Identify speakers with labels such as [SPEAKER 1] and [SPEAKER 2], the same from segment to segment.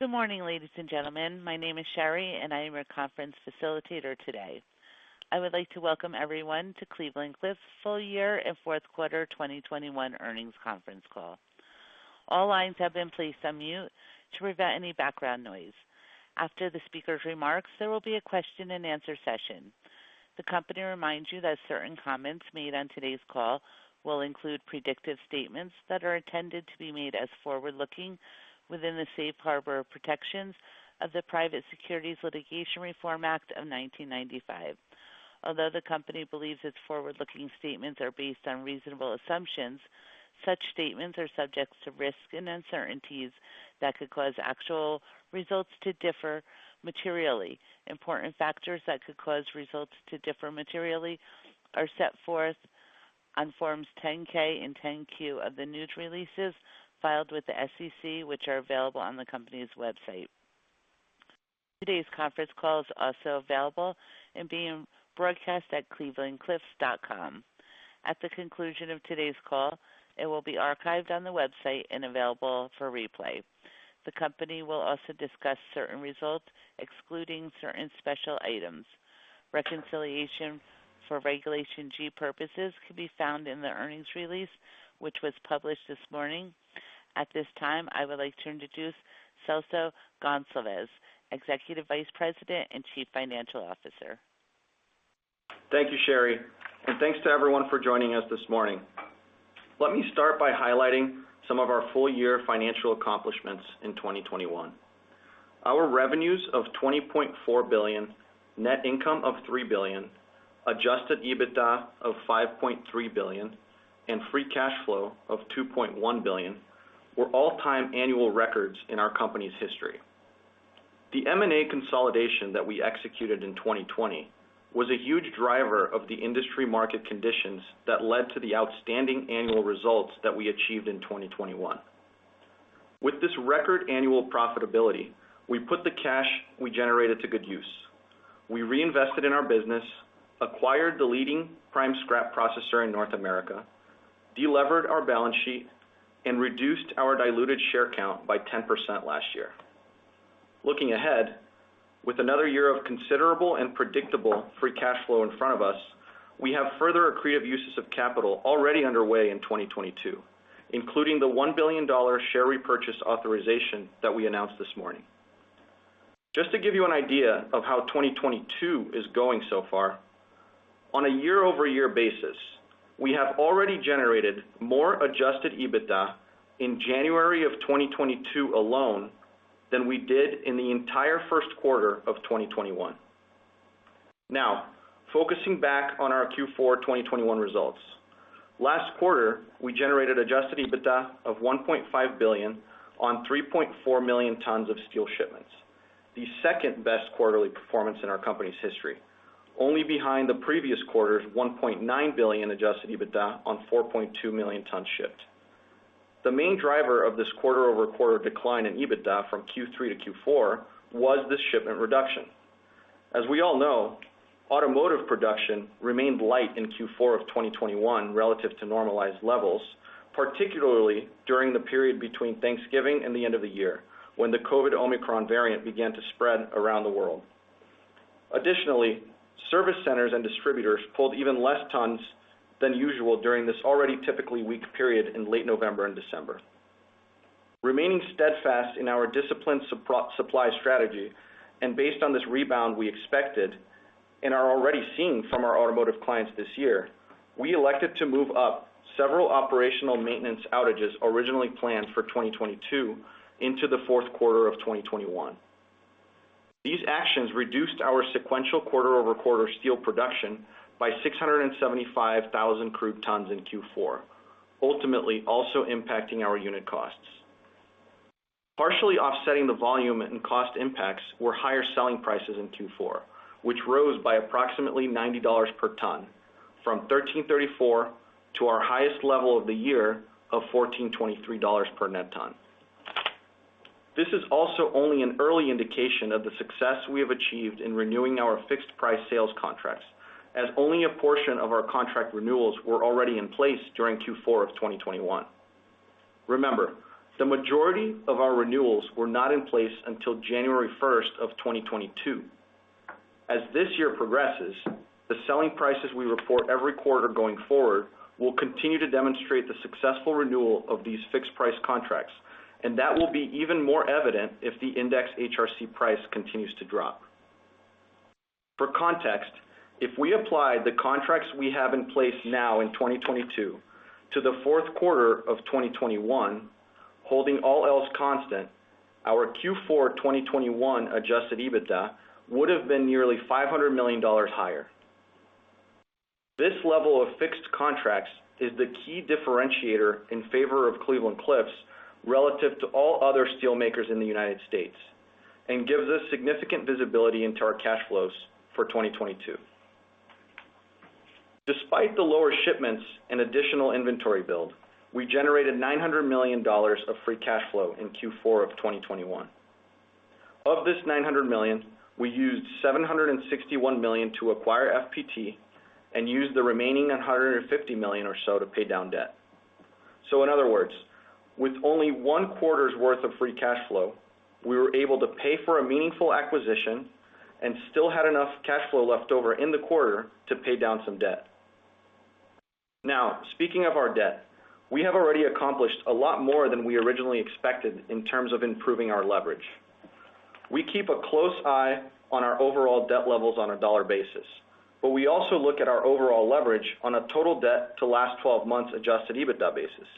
[SPEAKER 1] Good morning, ladies and gentlemen. My name is Sherry, and I am your conference facilitator today. I would like to welcome everyone to Cleveland-Cliffs full year and fourth quarter 2021 earnings conference call. All lines have been placed on mute to prevent any background noise. After the speaker's remarks, there will be a question-and-answer session. The company reminds you that certain comments made on today's call will include predictive statements that are intended to be made as forward-looking within the safe harbor protections of the Private Securities Litigation Reform Act of 1995. Although the company believes its forward-looking statements are based on reasonable assumptions, such statements are subject to risks and uncertainties that could cause actual results to differ materially. Important factors that could cause results to differ materially are set forth on Forms 10-K and 10-Q of the news releases filed with the SEC, which are available on the company's website. Today's conference call is also available and being broadcast at clevelandcliffs.com. At the conclusion of today's call, it will be archived on the website and available for replay. The company will also discuss certain results, excluding certain special items. Reconciliation for Regulation G purposes can be found in the earnings release, which was published this morning. At this time, I would like to introduce Celso Goncalves, Executive Vice President and Chief Financial Officer.
[SPEAKER 2] Thank you, Sherry, and thanks to everyone for joining us this morning. Let me start by highlighting some of our full-year financial accomplishments in 2021. Our revenues of $2.4 billion, net income of $3 billion, Adjusted EBITDA of $5.3 billion, and free cash flow of $2.1 billion were all-time annual records in our company's history. The M&A consolidation that we executed in 2020 was a huge driver of the industry market conditions that led to the outstanding annual results that we achieved in 2021. With this record annual profitability, we put the cash we generated to good use. We reinvested in our business, acquired the leading prime scrap processor in North America, delevered our balance sheet, and reduced our diluted share count by 10% last year. Looking ahead, with another year of considerable and predictable free cash flow in front of us, we have further accretive uses of capital already underway in 2022, including the $1 billion share repurchase authorization that we announced this morning. Just to give you an idea of how 2022 is going so far, on a year-over-year basis, we have already generated more Adjusted EBITDA in January 2022 alone than we did in the entire first quarter of 2021. Now, focusing back on our Q4 2021 results. Last quarter, we generated Adjusted EBITDA of $1.5 billion on 3.4 million tons of steel shipments, the second-best quarterly performance in our company's history, only behind the previous quarter's $1.9 billion Adjusted EBITDA on 4.2 million tons shipped. The main driver of this quarter-over-quarter decline in EBITDA from Q3 to Q4 was the shipment reduction. As we all know, automotive production remained light in Q4 of 2021 relative to normalized levels, particularly during the period between Thanksgiving and the end of the year, when the COVID Omicron variant began to spread around the world. Additionally, service centers and distributors pulled even less tons than usual during this already typically weak period in late November and December. Remaining steadfast in our disciplined supply strategy and based on this rebound we expected and are already seeing from our automotive clients this year, we elected to move up several operational maintenance outages originally planned for 2022 into the fourth quarter of 2021. These actions reduced our sequential quarter-over-quarter steel production by 675,000 crude tons in Q4, ultimately also impacting our unit costs. Partially offsetting the volume and cost impacts were higher selling prices in Q4, which rose by approximately $90 per ton from $1,334 to our highest level of the year of $1,423 per net ton. This is also only an early indication of the success we have achieved in renewing our fixed-price sales contracts, as only a portion of our contract renewals were already in place during Q4 of 2021. Remember, the majority of our renewals were not in place until January 1 of 2022. As this year progresses, the selling prices we report every quarter going forward will continue to demonstrate the successful renewal of these fixed-price contracts, and that will be even more evident if the index HRC price continues to drop. For context, if we apply the contracts we have in place now in 2022 to the fourth quarter of 2021, holding all else constant, our Q4 2021 Adjusted EBITDA would have been nearly $500 million higher. This level of fixed contracts is the key differentiator in favor of Cleveland-Cliffs relative to all other steelmakers in the United States and gives us significant visibility into our cash flows for 2022. Despite the lower shipments and additional inventory build, we generated $900 million of free cash flow in Q4 of 2021. Of this $900 million, we used $761 million to acquire FPT and use the remaining $150 million or so to pay down debt. In other words, with only one quarter's worth of free cash flow, we were able to pay for a meaningful acquisition and still had enough cash flow left over in the quarter to pay down some debt. Now, speaking of our debt, we have already accomplished a lot more than we originally expected in terms of improving our leverage. We keep a close eye on our overall debt levels on a dollar basis, but we also look at our overall leverage on a total debt to last twelve months adjusted EBITDA basis.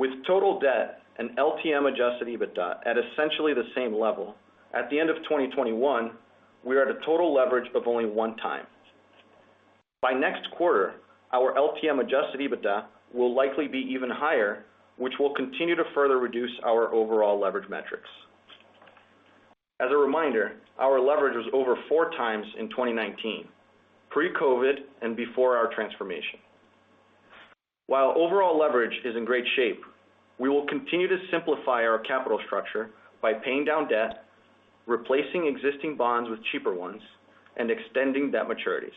[SPEAKER 2] With total debt and LTM adjusted EBITDA at essentially the same level, at the end of 2021, we are at a total leverage of only 1x. By next quarter, our LTM adjusted EBITDA will likely be even higher, which will continue to further reduce our overall leverage metrics. As a reminder, our leverage was over four times in 2019, pre-COVID, and before our transformation. While overall leverage is in great shape, we will continue to simplify our capital structure by paying down debt, replacing existing bonds with cheaper ones, and extending debt maturities.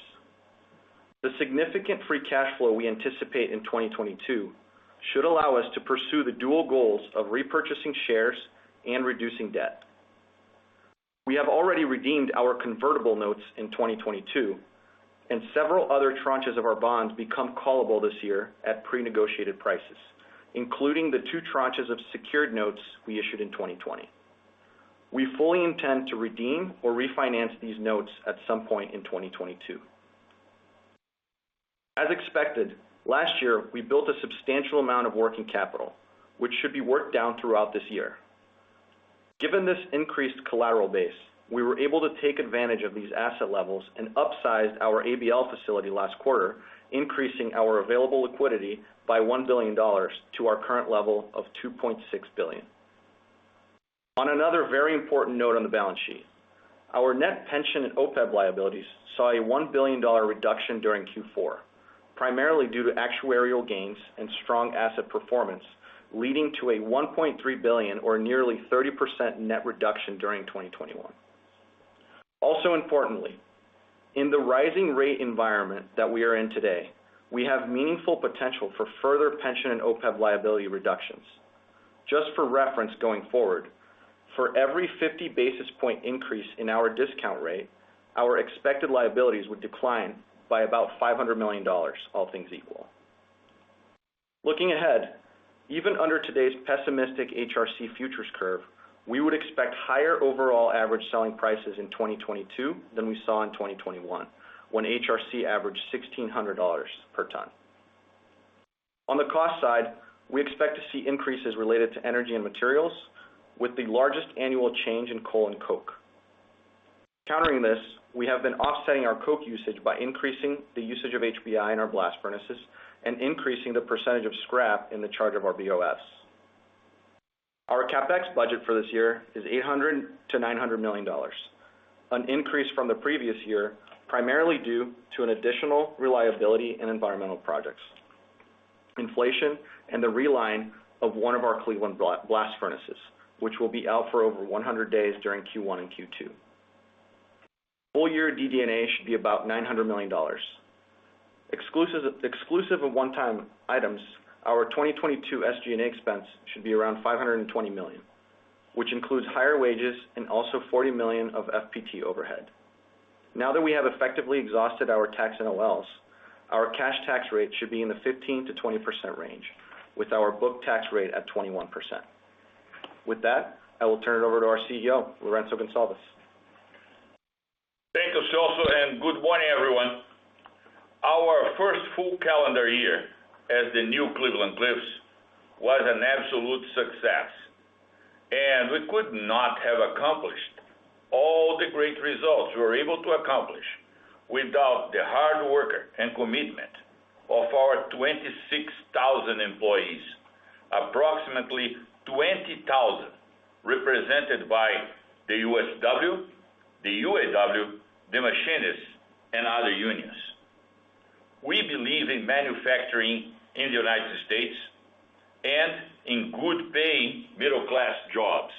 [SPEAKER 2] The significant free cash flow we anticipate in 2022 should allow us to pursue the dual goals of repurchasing shares and reducing debt. We have already redeemed our convertible notes in 2022, and several other tranches of our bonds become callable this year at pre-negotiated prices, including the two tranches of secured notes we issued in 2020. We fully intend to redeem or refinance these notes at some point in 2022. As expected, last year, we built a substantial amount of working capital, which should be worked down throughout this year. Given this increased collateral base, we were able to take advantage of these asset levels and upsized our ABL facility last quarter, increasing our available liquidity by $1 billion to our current level of $2.6 billion. On another very important note on the balance sheet, our net pension and OPEB liabilities saw a $1 billion reduction during Q4, primarily due to actuarial gains and strong asset performance, leading to a $1.3 billion or nearly 30% net reduction during 2021. Also importantly, in the rising rate environment that we are in today, we have meaningful potential for further pension and OPEB liability reductions. Just for reference going forward, for every 50 basis point increase in our discount rate, our expected liabilities would decline by about $500 million, all things equal. Looking ahead, even under today's pessimistic HRC futures curve, we would expect higher overall average selling prices in 2022 than we saw in 2021, when HRC averaged $1,600 per ton. On the cost side, we expect to see increases related to energy and materials with the largest annual change in coal and coke. Countering this, we have been offsetting our coke usage by increasing the usage of HBI in our blast furnaces and increasing the percentage of scrap in the charge of our BOF. Our CapEx budget for this year is $800 million-$900 million, an increase from the previous year, primarily due to additional reliability and environmental projects, inflation, and the reline of one of our Cleveland blast furnaces, which will be out for over 100 days during Q1 and Q2. Full year DD&A should be about $900 million. Exclusive of one-time items, our 2022 SG&A expense should be around $520 million, which includes higher wages and also $40 million of FPT overhead. Now that we have effectively exhausted our tax NOLs, our cash tax rate should be in the 15%-20% range, with our book tax rate at 21%. With that, I will turn it over to our CEO, Lourenco Goncalves.
[SPEAKER 3] Thank you, Celso, and good morning, everyone. Our first full calendar year as the new Cleveland-Cliffs was an absolute success, and we could not have accomplished all the great results we were able to accomplish without the hard work and commitment of our 26,000 employees. Approximately 20,000 represented by the USW, the UAW, the Machinists, and other unions. We believe in manufacturing in the U.S. and in good-paying middle-class jobs.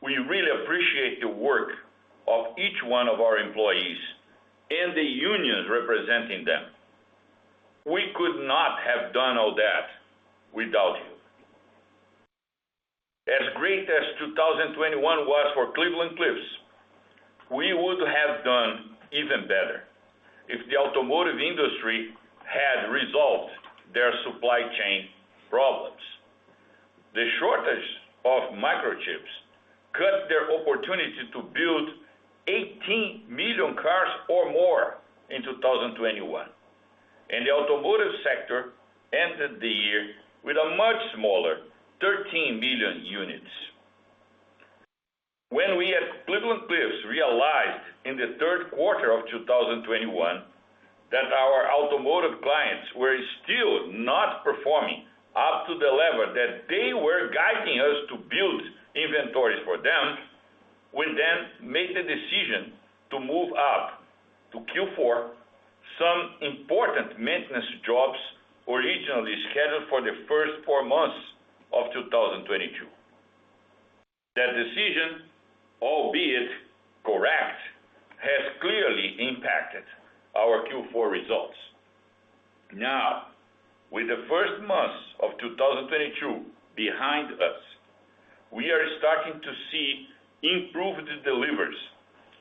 [SPEAKER 3] We really appreciate the work of each one of our employees and the unions representing them. We could not have done all that without you. As great as 2021 was for Cleveland-Cliffs, we would have done even better if the automotive industry had resolved their supply chain problems. The shortage of microchips cut their opportunity to build 18 million cars or more in 2021, and the automotive sector ended the year with a much smaller 13 million units. When we at Cleveland-Cliffs realized in the third quarter of 2021 that our automotive clients were still not performing up to the level that they were guiding us to build inventories for them, we then made the decision to move up to Q4. Some important maintenance jobs originally scheduled for the first four months of 2022. That decision, albeit correct, has clearly impacted our Q4 results. Now, with the first months of 2022 behind us, we are starting to see improved deliveries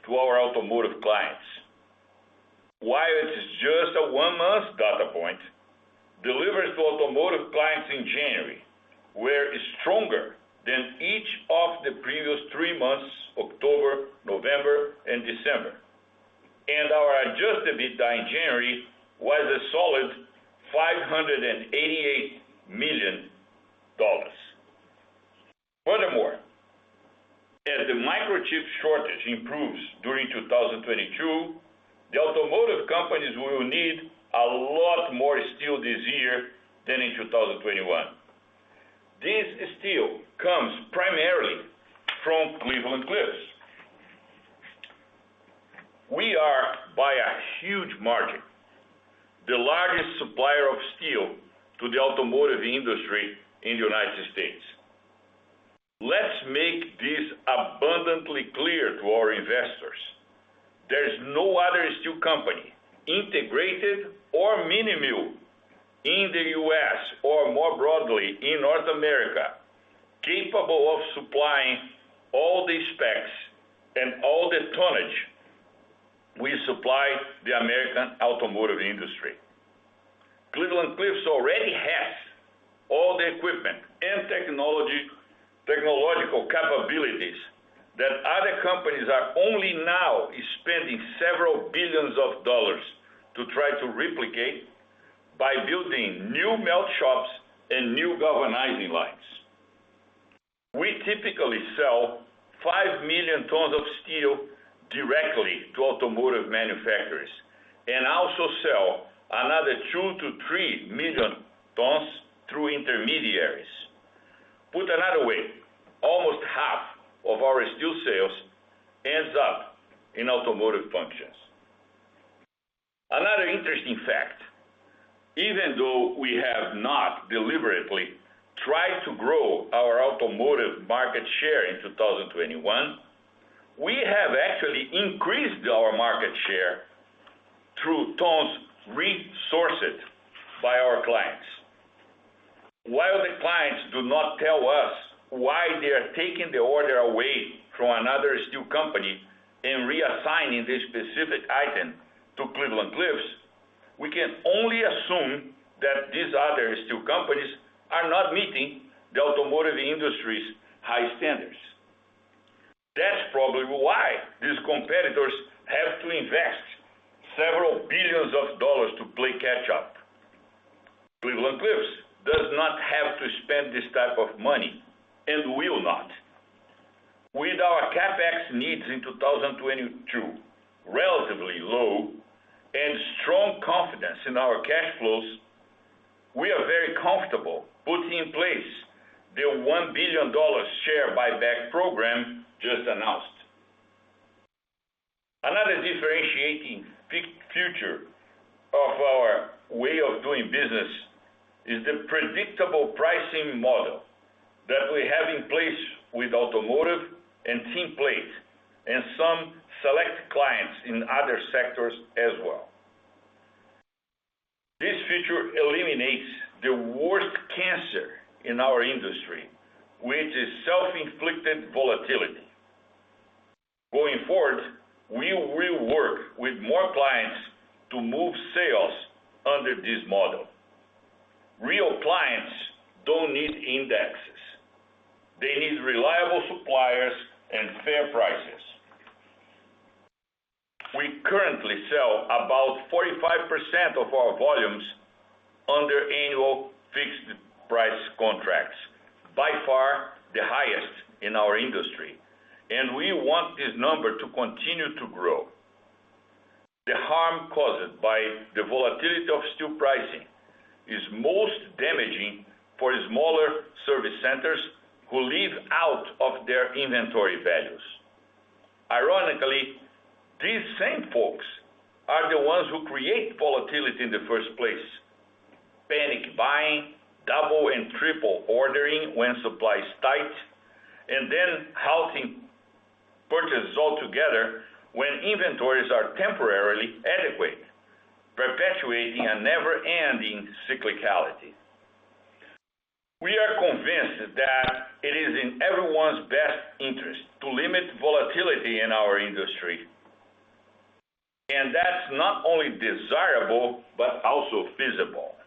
[SPEAKER 3] to our automotive clients. While it is just a one-month data point, deliveries to automotive clients in January were stronger than each of the previous three months, October, November, and December. Our Adjusted EBITDA in January was a solid $588 million. Furthermore, as the microchip shortage improves during 2022, the automotive companies will need a lot more steel this year than in 2021. This steel comes primarily from Cleveland-Cliffs. We are, by a huge margin, the largest supplier of steel to the automotive industry in the United States. Let's make this abundantly clear to our investors. There's no other steel company, integrated or mini mill, in the U.S., or more broadly, in North America, capable of supplying all the specs and all the tonnage we supply the American automotive industry. Cleveland-Cliffs already has all the equipment and technology, technological capabilities that other companies are only now spending several billion of dollars to try to replicate by building new melt shops and new galvanizing lines. We typically sell 5 million tons of steel directly to automotive manufacturers, and also sell another 2-3 million tons through intermediaries. Put another way, almost half of our steel sales ends up in automotive functions. Another interesting fact, even though we have not deliberately tried to grow our automotive market share in 2021, we have actually increased our market share through tons sourced by our clients. While the clients do not tell us why they are taking the order away from another steel company and reassigning the specific item to Cleveland-Cliffs, we can only assume that these other steel companies are not meeting the automotive industry's high standards. That's probably why these competitors have to invest several billion of dollars to play catch up. Cleveland-Cliffs does not have to spend this type of money and will not. With our CapEx needs in 2022 relatively low and strong confidence in our cash flows, we are very comfortable putting in place the $1 billion share buyback program just announced. Another differentiating feature of our way of doing business is the predictable pricing model that we have in place with automotive and tinplate, and some select clients in other sectors as well. This feature eliminates the worst cancer in our industry, which is self-inflicted volatility. Going forward, we will work with more clients to move sales under this model. Real clients don't need indexes. They need reliable suppliers and fair prices. We currently sell about 45% of our volumes under annual fixed price contracts, by far the highest in our industry, and we want this number to continue to grow. The harm caused by the volatility of steel pricing is most damaging for smaller service centers who live out of their inventory values. Ironically, these same folks are the ones who create volatility in the first place. Panic buying, double and triple ordering when supply is tight, and then halting purchases altogether when inventories are temporarily adequate, perpetuating a never-ending cyclicality. We are convinced that it is in everyone's best interest to limit volatility in our industry, and that's not only desirable, but also feasible.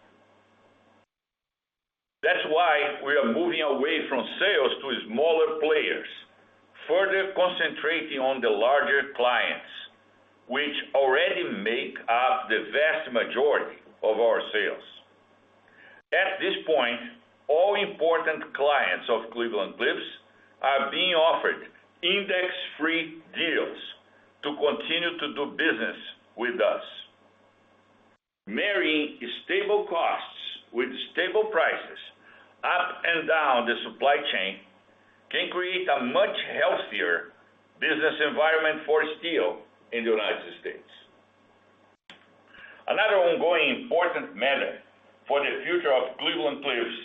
[SPEAKER 3] That's why we are moving away from sales to smaller players, further concentrating on the larger clients, which already make up the vast majority of our sales. At this point, all important clients of Cleveland-Cliffs are being offered index-free deals to continue to do business with us. Marrying stable costs with stable prices up and down the supply chain can create a much healthier business environment for steel in the United States. Another ongoing important matter for the future of Cleveland-Cliffs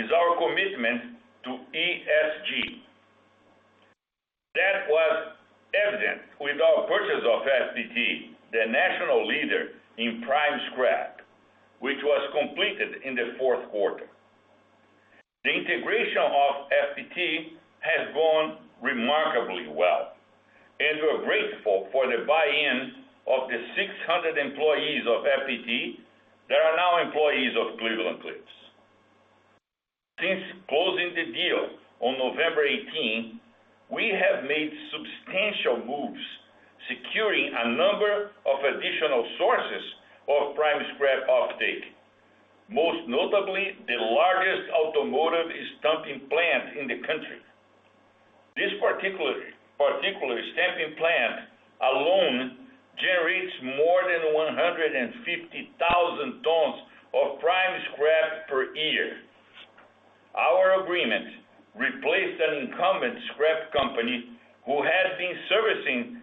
[SPEAKER 3] is our commitment to ESG. That was evident with our purchase of FPT, the national leader in prime scrap, which was completed in the fourth quarter. The integration of FPT has gone remarkably well, and we're grateful for the buy-in of the 600 employees of FPT that are now employees of Cleveland-Cliffs. Since closing the deal on November 18, we have made substantial moves, securing a number of additional sources of prime scrap of late, most notably, the largest automotive stamping plant in the country. This particular stamping plant alone generates more than 150,000 tons of prime scrap per year. Our agreement replaced an incumbent scrap company who has been servicing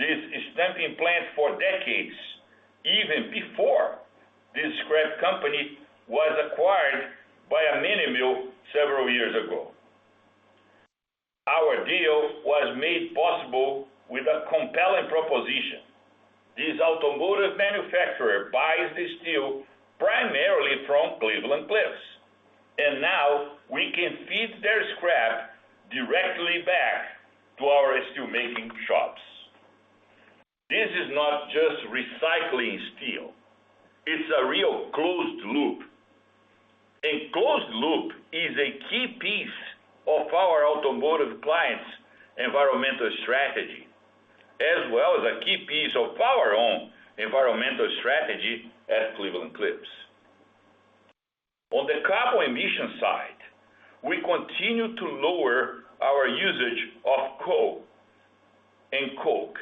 [SPEAKER 3] this stamping plant for decades, even before this scrap company was acquired by a minimum several years ago. Our deal was made possible with a compelling proposition. This automotive manufacturer buys the steel primarily from Cleveland-Cliffs, and now we can feed their scrap directly back to our steel making shops. This is not just recycling steel, it's a real closed loop. A closed loop is a key piece of our automotive clients' environmental strategy, as well as a key piece of our own environmental strategy at Cleveland-Cliffs. On the carbon emission side, we continue to lower our usage of coal and coke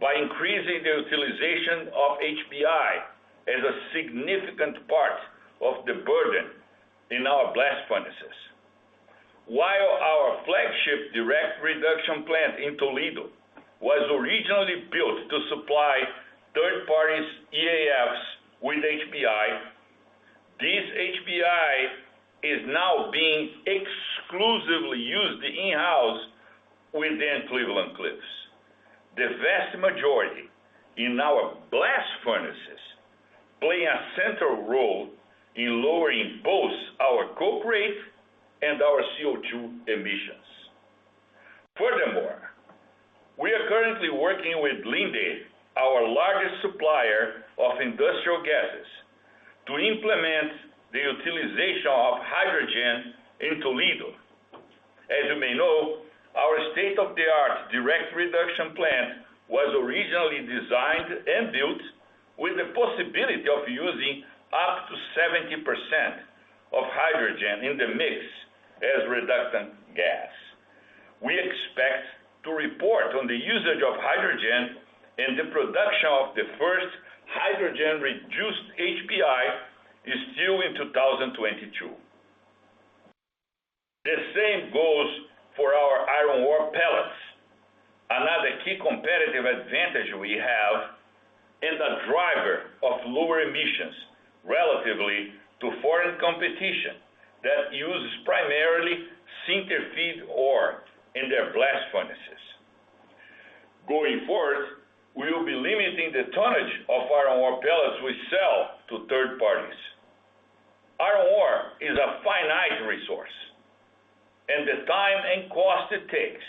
[SPEAKER 3] by increasing the utilization of HBI as a significant part of the burden in our blast furnaces. While our flagship direct reduction plant in Toledo was originally built to supply third-party EAFs with HBI, this HBI is now being exclusively used in-house within Cleveland-Cliffs. The vast majority in our blast furnaces plays a central role in lowering both our coke rate and our CO2 emissions. Furthermore, we are currently working with Linde, our largest supplier of industrial gases, to implement the utilization of hydrogen in Toledo. As you may know, our state-of-the-art direct reduction plant was originally designed and built with the possibility of using up to 70% of hydrogen in the mix as reducing gas. We expect to report on the usage of hydrogen and the production of the first hydrogen reduced HBI is still in 2022. The same goes for our iron ore pellets. Another key competitive advantage we have is a driver of lower emissions relative to foreign competition that uses primarily sinter feed ore in their blast furnaces. Going forward, we will be limiting the tonnage of iron ore pellets we sell to third parties. Iron ore is a finite resource, and the time and cost it takes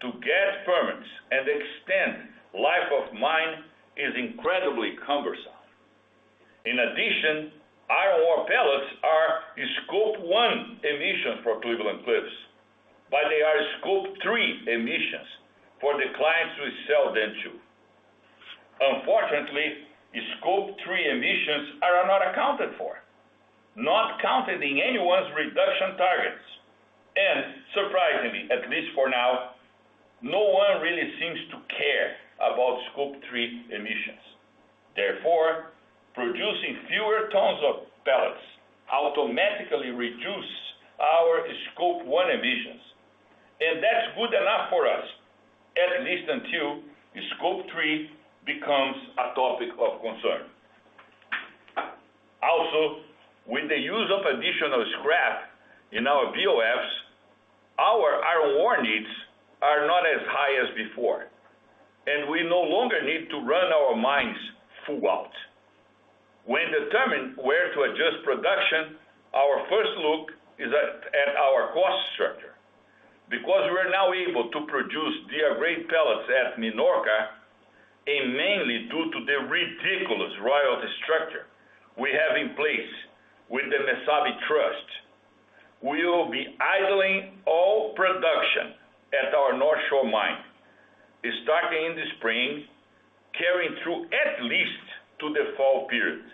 [SPEAKER 3] to get permits and extend life of mine is incredibly cumbersome. In addition, iron ore pellets are Scope 1 emissions for Cleveland-Cliffs, but they are Scope 3 emissions for the clients we sell them to. Unfortunately, Scope 3 emissions are not accounted for, not counted in anyone's reduction targets. Surprisingly, at least for now, no one really seems to care about Scope 3 emissions. Therefore, producing fewer tons of pellets automatically reduce our Scope 1 emissions, and that's good enough for us, at least until Scope 3 becomes a topic of concern. Also, with the use of additional scrap in our BOFs, our iron ore needs are not as high as before, and we no longer need to run our mines full out. When determining where to adjust production, our first look is at our cost structure. Because we're now able to produce DR-grade pellets at Minorca, and mainly due to the ridiculous royalty structure we have in place with the Mesabi Trust, we will be idling all production at our Northshore mine, starting in the spring, carrying through at least to the fall period,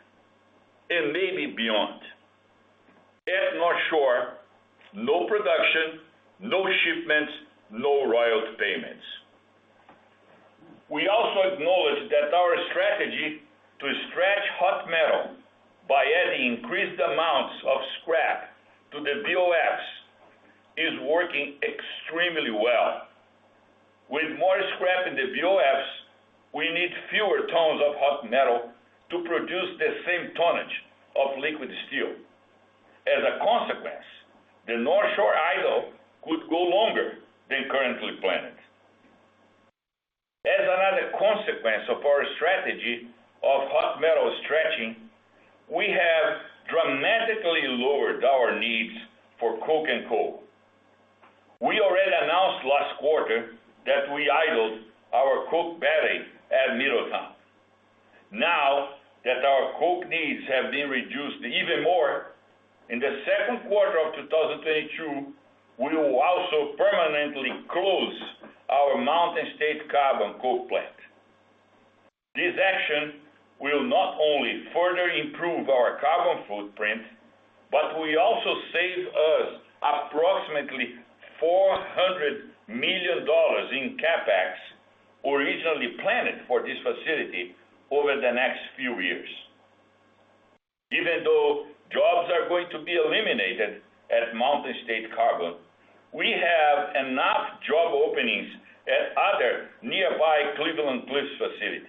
[SPEAKER 3] and maybe beyond. At North Shore, no production, no shipments, no trucks. Increased amounts of scrap to the BOFs is working extremely well. With more scrap in the BOFs, we need fewer tons of hot metal to produce the same tonnage of liquid steel. As a consequence, the North Shore idle could go longer than currently planned. As another consequence of our strategy of hot metal stretching, we have dramatically lowered our needs for coke and coal. We already announced last quarter that we idled our coke battery at Middletown. Now, that our coke needs have been reduced even more, in the second quarter of 2022, we will also permanently close our Mountain State Carbon coke plant. This action will not only further improve our carbon footprint, but will also save us approximately $400 million in CapEx, originally planned for this facility over the next few years. Even though jobs are going to be eliminated at Mountain State Carbon, we have enough job openings at other nearby Cleveland-Cliffs facilities,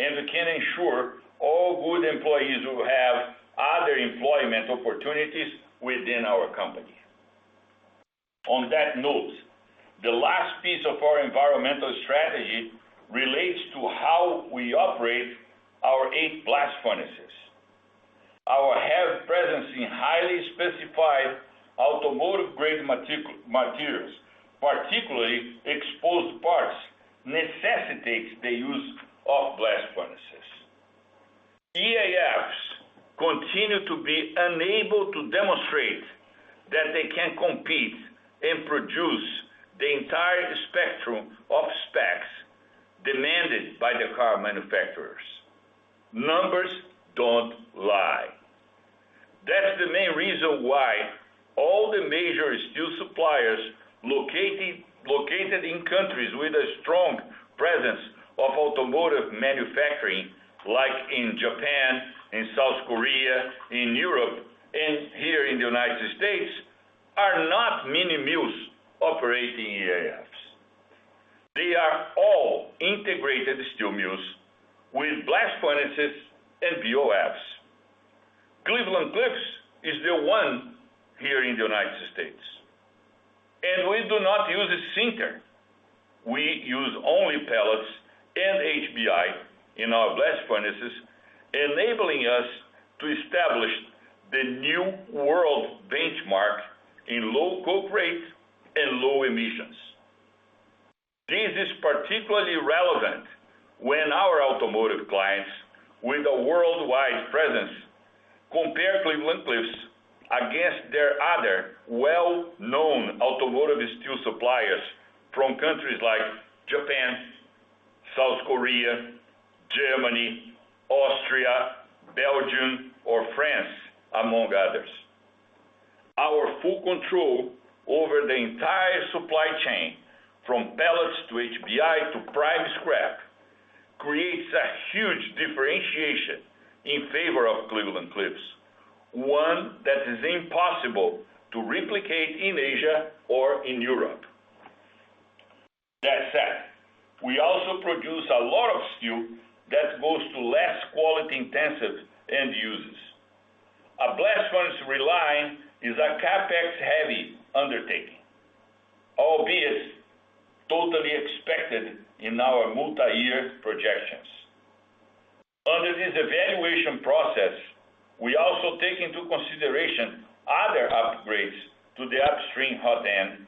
[SPEAKER 3] and we can ensure all good employees will have other employment opportunities within our company. On that note, the last piece of our environmental strategy relates to how we operate our eight blast furnaces. Our heavy presence in highly specified automotive grade materials, particularly exposed parts, necessitates the use of blast furnaces. EAFs continue to be unable to demonstrate that they can compete and produce the entire spectrum of specs demanded by the car manufacturers. Numbers don't lie. That's the main reason why all the major steel suppliers located in countries with a strong presence of automotive manufacturing, like in Japan, in South Korea, in Europe, and here in the United States, are not mini mills operating EAFs. They are all integrated steel mills with blast furnaces and BOFs. Cleveland-Cliffs is the one here in the United States. We do not use a sinter. We use only pellets and HBI in our blast furnaces, enabling us to establish the new world benchmark in low coke rates and low emissions. This is particularly relevant when our automotive clients with a worldwide presence compare Cleveland-Cliffs against their other well-known automotive steel suppliers from countries like Japan, South Korea, Germany, Austria, Belgium or France, among others. Our full control over the entire supply chain from pellets to HBI to prime scrap, creates a huge differentiation in favor of Cleveland-Cliffs, one that is impossible to replicate in Asia or in Europe. That said, we also produce a lot of steel that goes to less quality-intensive end users. A blast furnace reline is a CapEx-heavy undertaking, albeit totally expected in our multi-year projections. Under this evaluation process, we also take into consideration other upgrades to the upstream hot end,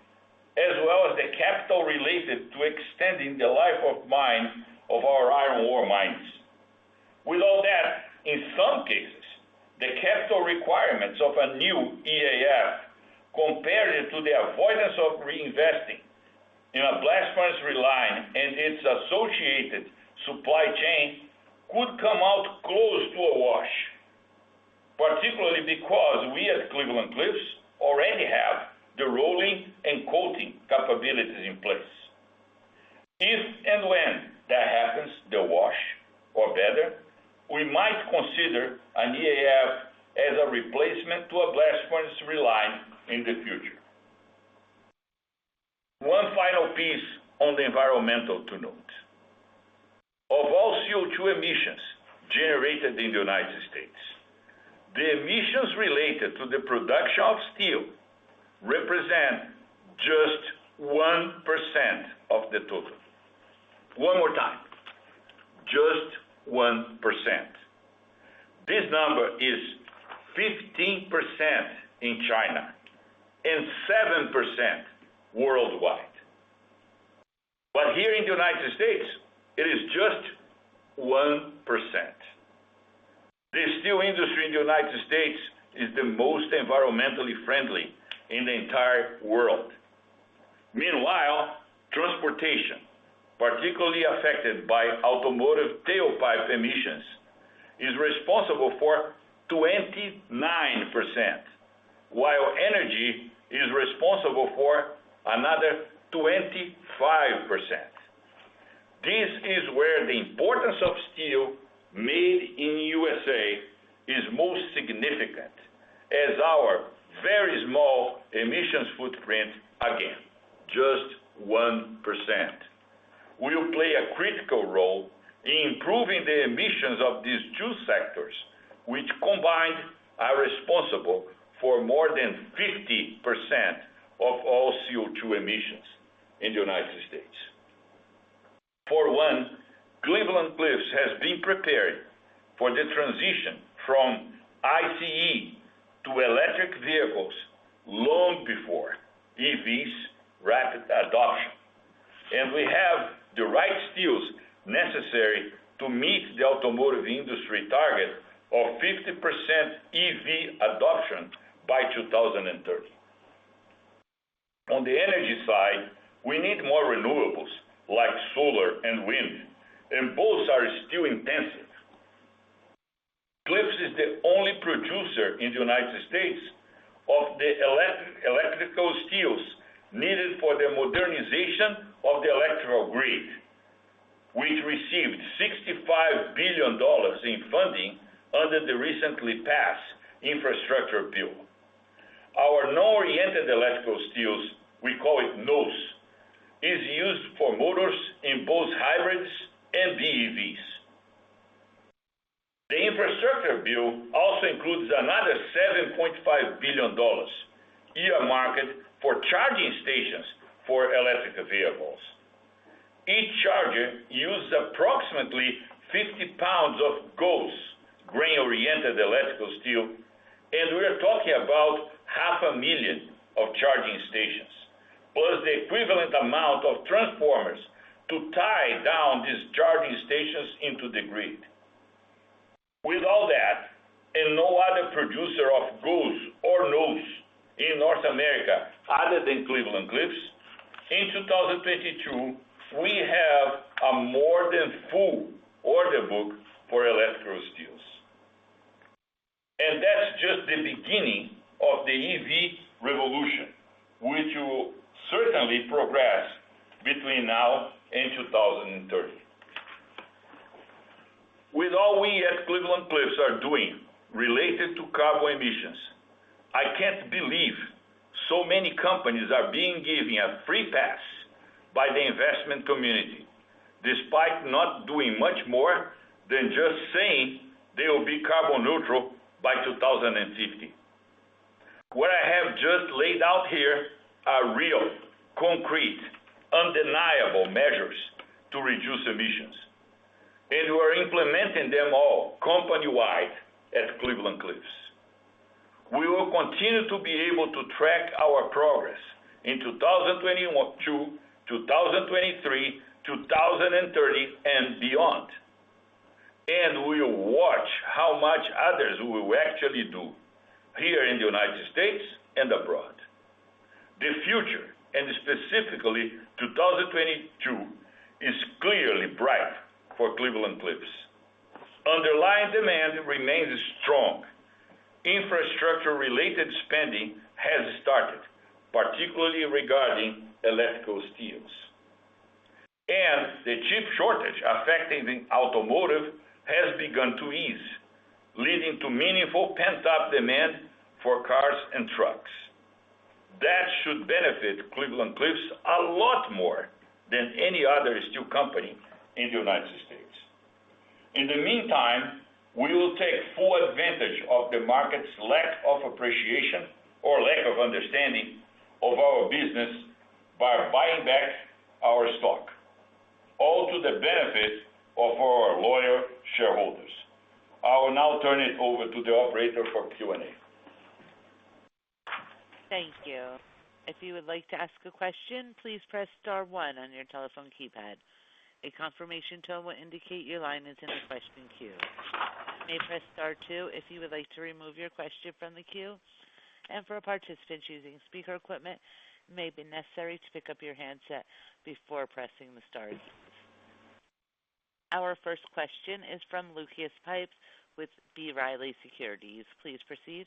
[SPEAKER 3] as well as the capital related to extending the life of mine, of our iron ore mines. With all that, in some cases, the capital requirements of a new EAF compared to the avoidance of reinvesting in a blast furnace reline and its associated supply chain could come out close to a wash, particularly because we as Cleveland-Cliffs already have the rolling and coating capabilities in place. If and when that happens, the wash or better, we might consider an EAF as a replacement to a blast furnace reline in the future. One final piece on the environmental to note. Of all CO2 emissions generated in the United States, the emissions related to the production of steel represent just 1% of the total. One more time. Just 1%. This number is 15% in China and 7% worldwide. Here in the United States, it is just 1%. The steel industry in the United States is the most environmentally friendly in the entire world. Meanwhile, transportation, particularly affected by automotive tailpipe emissions, is responsible for 29%. While energy is responsible for another 25%. This is where the importance of steel made in USA is most significant as our very small emissions footprint, again, just 1%, will play a critical role in improving the emissions of these two sectors, which combined, are responsible for more than 50% of all CO2 emissions in the United States. For one, Cleveland-Cliffs has been prepared for the transition from ICE to electric vehicles long before EV's rapid adoption, and we have the right skills necessary to meet the automotive industry target of 50% EV adoption by 2030. On the energy side, we need more renewables like solar and wind, and both are steel-intensive. Cliffs is the only producer in the United States of the electrical steels needed for the modernization of the electrical grid, which received $65 billion in funding under the recently passed infrastructure bill. Our non-oriented electrical steels, we call it NOES, is used for motors in both hybrids and BEVs. The infrastructure bill also includes another $7.5 billion earmarked for charging stations for electrical vehicles. Each charger uses approximately 50 lbs of GOES, grain-oriented electrical steel, and we are talking about 500,000 charging stations, plus the equivalent amount of transformers to tie down these charging stations into the grid. With all that, and no other producer of GOES or NOES in North America other than Cleveland-Cliffs, in 2022, we have a more than full order book for electrical steels. That's just the beginning of the EV revolution, which will certainly progress between now and 2030. With all we at Cleveland-Cliffs are doing related to carbon emissions, I can't believe so many companies are being given a free pass by the investment community, despite not doing much more than just saying they will be carbon neutral by 2050. What I have just laid out here are real, concrete, undeniable measures to reduce emissions, and we're implementing them all company-wide at Cleveland-Cliffs. We will continue to be able to track our progress in 2021, 2022, 2023, and 2030, and beyond. We'll watch how much others will actually do here in the United States and abroad. The future, and specifically 2022, is clearly bright for Cleveland-Cliffs. Underlying demand remains strong. Infrastructure-related spending has started, particularly regarding electrical steels. The chip shortage affecting the automotive has begun to ease, leading to meaningful pent-up demand for cars and trucks. That should benefit Cleveland-Cliffs a lot more than any other steel company in the United States. In the meantime, we will take full advantage of the market's lack of appreciation or lack of understanding of our business by buying back our stock, all to the benefit of our loyal shareholders. I will now turn it over to the operator for Q&A.
[SPEAKER 1] Thank you. If you would like to ask a question, please press star one on your telephone keypad. A confirmation tone will indicate your line is in the question queue. You may press star two if you would like to remove your question from the queue. For participants using speaker equipment, it may be necessary to pick up your handset before pressing the stars. Our first question is from Lucas Pipes with B. Riley Securities. Please proceed.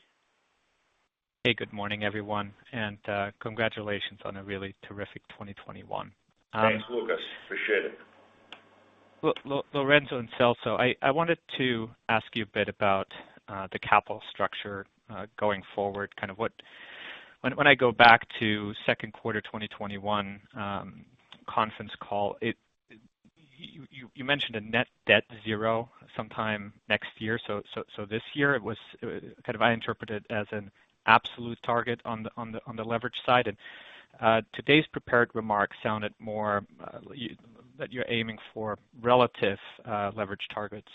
[SPEAKER 4] Hey, good morning, everyone, and congratulations on a really terrific 2021.
[SPEAKER 3] Thanks, Lucas. Appreciate it.
[SPEAKER 4] Lucas, Lourenco and Celso, I wanted to ask you a bit about the capital structure going forward. When I go back to second quarter 2021 conference call, you mentioned a net debt zero sometime next year. This year it was kind of I interpreted as an absolute target on the leverage side. Today's prepared remarks sounded more that you're aiming for relative leverage targets,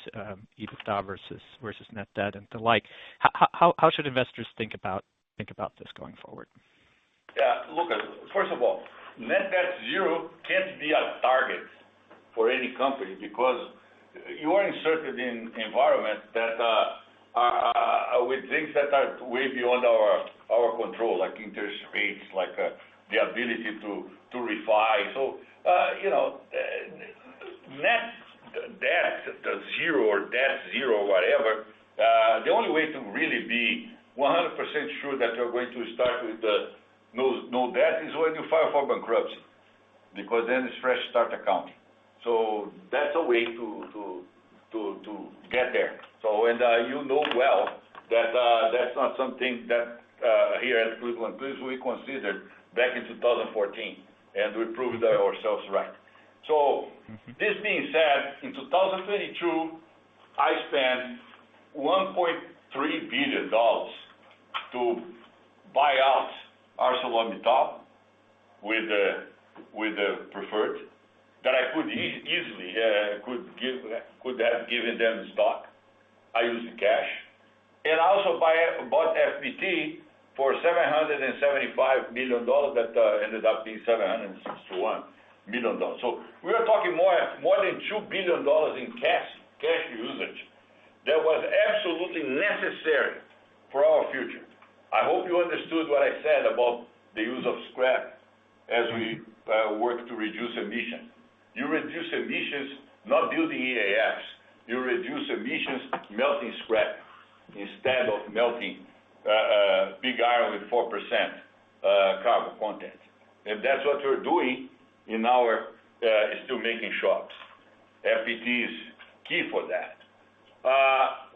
[SPEAKER 4] EBITDA versus net debt and the like. How should investors think about this going forward?
[SPEAKER 3] Yeah. Look, first of all, net debt zero can't be a target for any company because you are inserted in environment that with things that are way beyond our control, like interest rates, like the ability to refi. You know, net debt zero or debt zero, whatever. The only way to really be 100% sure that you're going to start with the no debt is when you file for bankruptcy, because then it's fresh start account. That's a way to get there. You know, that's not something that here at Cleveland-Cliffs we considered back in 2014, and we proved ourselves right. This being said, in 2022, I spent $1.3 billion to buy out ArcelorMittal with the preferred that I could easily have given them stock. I used cash. I also bought FPT for $775 million. That ended up being $761 million. We are talking more than $2 billion in cash usage that was absolutely necessary for our future. I hope you understood what I said about the use of scrap as we work to reduce emissions. You reduce emissions not using BOFs. You reduce emissions melting scrap instead of melting big iron with 4% carbon content. That's what we're doing in our steelmaking shops. FPT is key for that.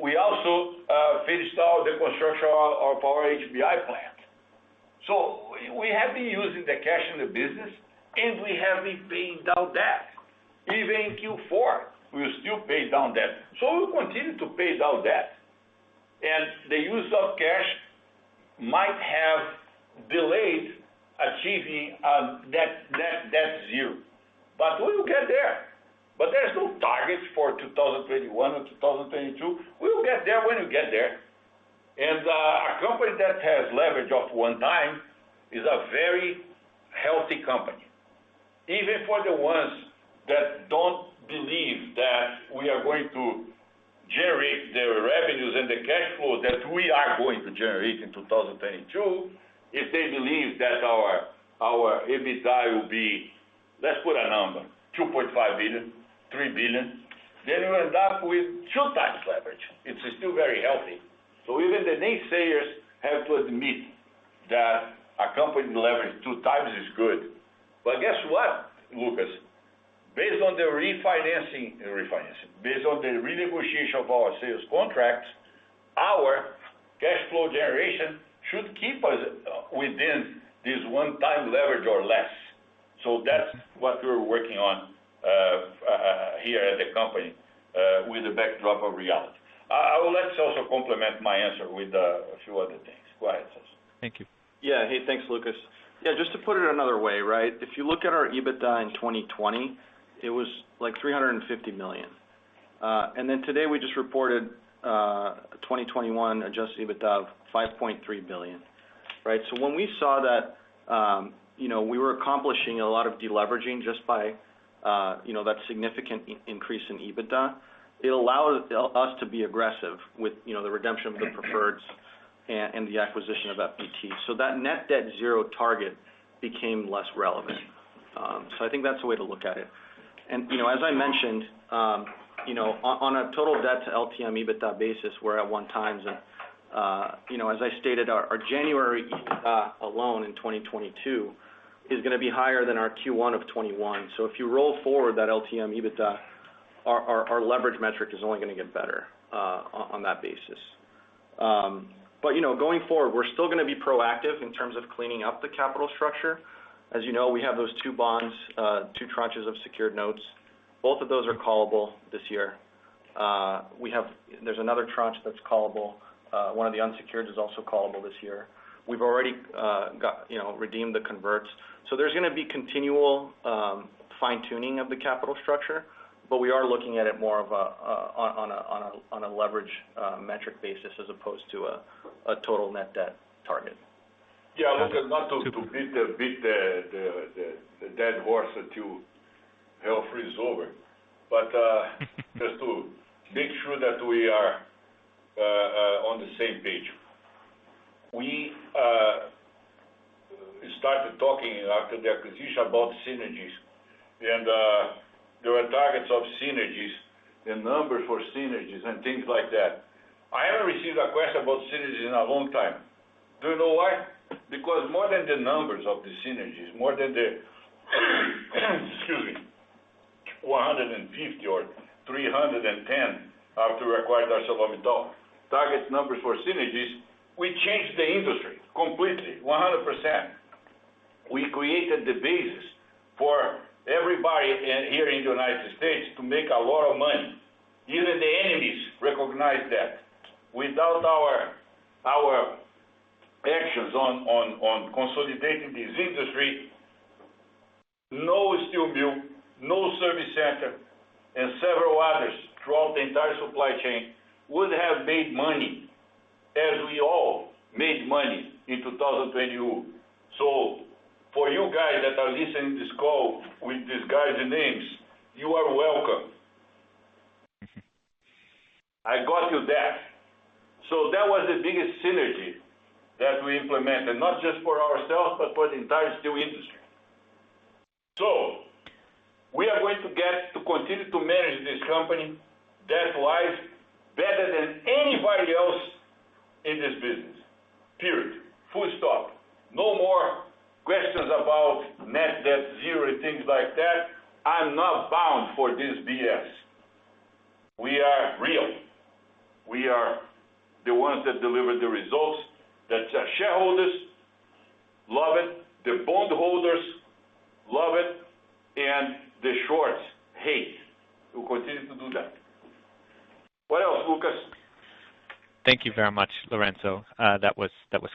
[SPEAKER 3] We also finished all the construction of our HBI plant. We have been using the cash in the business, and we have been paying down debt. Even in Q4, we still paid down debt. We'll continue to pay down debt. The use of cash might have delayed achieving net debt zero, but we will get there. There's no targets for 2021 or 2022. We will get there when we get there. A company that has leverage of 1x is a very healthy company. Even for the ones that don't believe that we are going to generate the revenues and the cash flow that we are going to generate in 2022, if they believe that our EBITDA will be, let's put a number, $2.5 billion, $3 billion, then we'll end up with 2x leverage. It's still very healthy. Even the naysayers have to admit that a company leverage 2x is good. Guess what, Lucas? Based on the refinancing. Based on the renegotiation of our sales contracts, our cash flow generation should keep us within this 1x leverage or less. That's what we're working on here at the company with the backdrop of reality. Let's also complement my answer with a few other things. Go ahead, Celso.
[SPEAKER 4] Thank you.
[SPEAKER 2] Yeah. Hey, thanks, Lucas. Yeah, just to put it another way, right? If you look at our EBITDA in 2020, it was like $350 million. Then today we just reported 2021 Adjusted EBITDA of $5.3 billion, right? When we saw that, you know, we were accomplishing a lot of deleveraging just by, you know, that significant increase in EBITDA, it allowed us to be aggressive with, you know, the redemption of the preferreds and the acquisition of FPT. That net debt zero target became less relevant. I think that's the way to look at it. You know, as I mentioned, you know, on a total debt to LTM EBITDA basis, we're at 1x. You know, as I stated, our January EBITDA alone in 2022 is gonna be higher than our Q1 of 2021. If you roll forward that LTM EBITDA, our leverage metric is only gonna get better on that basis. You know, going forward, we're still gonna be proactive in terms of cleaning up the capital structure. As you know, we have those two bonds, two tranches of secured notes. Both of those are callable this year. We have. There's another tranche that's callable. One of the unsecured is also callable this year. We've already got, you know, redeemed the converts. There's gonna be continual fine-tuning of the capital structure, but we are looking at it more on a leverage metric basis as opposed to a total net debt target.
[SPEAKER 3] Yeah. Lucas, not to beat the dead horse until hell freezes over, but just to make sure that we are on the same page. We started talking after the acquisition about synergies, and there were targets of synergies and numbers for synergies and things like that. I haven't received a question about synergies in a long time. Do you know why? Because more than the numbers of the synergies, more than the, excuse me, $150 or $310 after acquiring ArcelorMittal, target numbers for synergies, we changed the industry completely, 100%. We created the basis for everybody here in the United States to make a lot of money. Even the enemies recognize that. Without our actions on consolidating this industry, no steel mill, no service center, and several others throughout the entire supply chain would have made money as we all made money in 2021. For you guys that are listening to this call with these guys' names, you are welcome. I got you that. That was the biggest synergy that we implemented, not just for ourselves, but for the entire steel industry. We are going to get to continue to manage this company debt wise better than anybody else in this business. Period. Full stop. No more questions about net debt zero, things like that. I'm not buying this BS. We are real. We are the ones that deliver the results that our shareholders love, the bondholders love it, and the shorts hate. We'll continue to do that. What else, Lucas?
[SPEAKER 4] Thank you very much, Lourenco. That was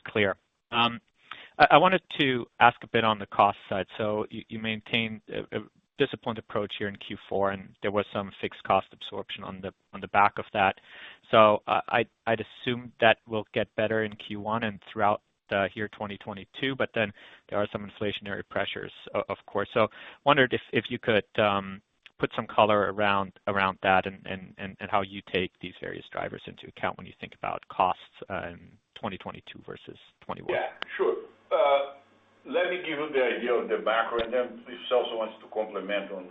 [SPEAKER 4] clear. I wanted to ask a bit on the cost side. You maintained a disciplined approach here in Q4, and there was some fixed cost absorption on the back of that. I'd assume that will get better in Q1 and throughout the year 2022, but then there are some inflationary pressures of course. Wondered if you could put some color around that and how you take these various drivers into account when you think about costs in 2022 versus 2021.
[SPEAKER 3] Yeah, sure. Let me give you the idea of the macro and then if Celso wants to comment on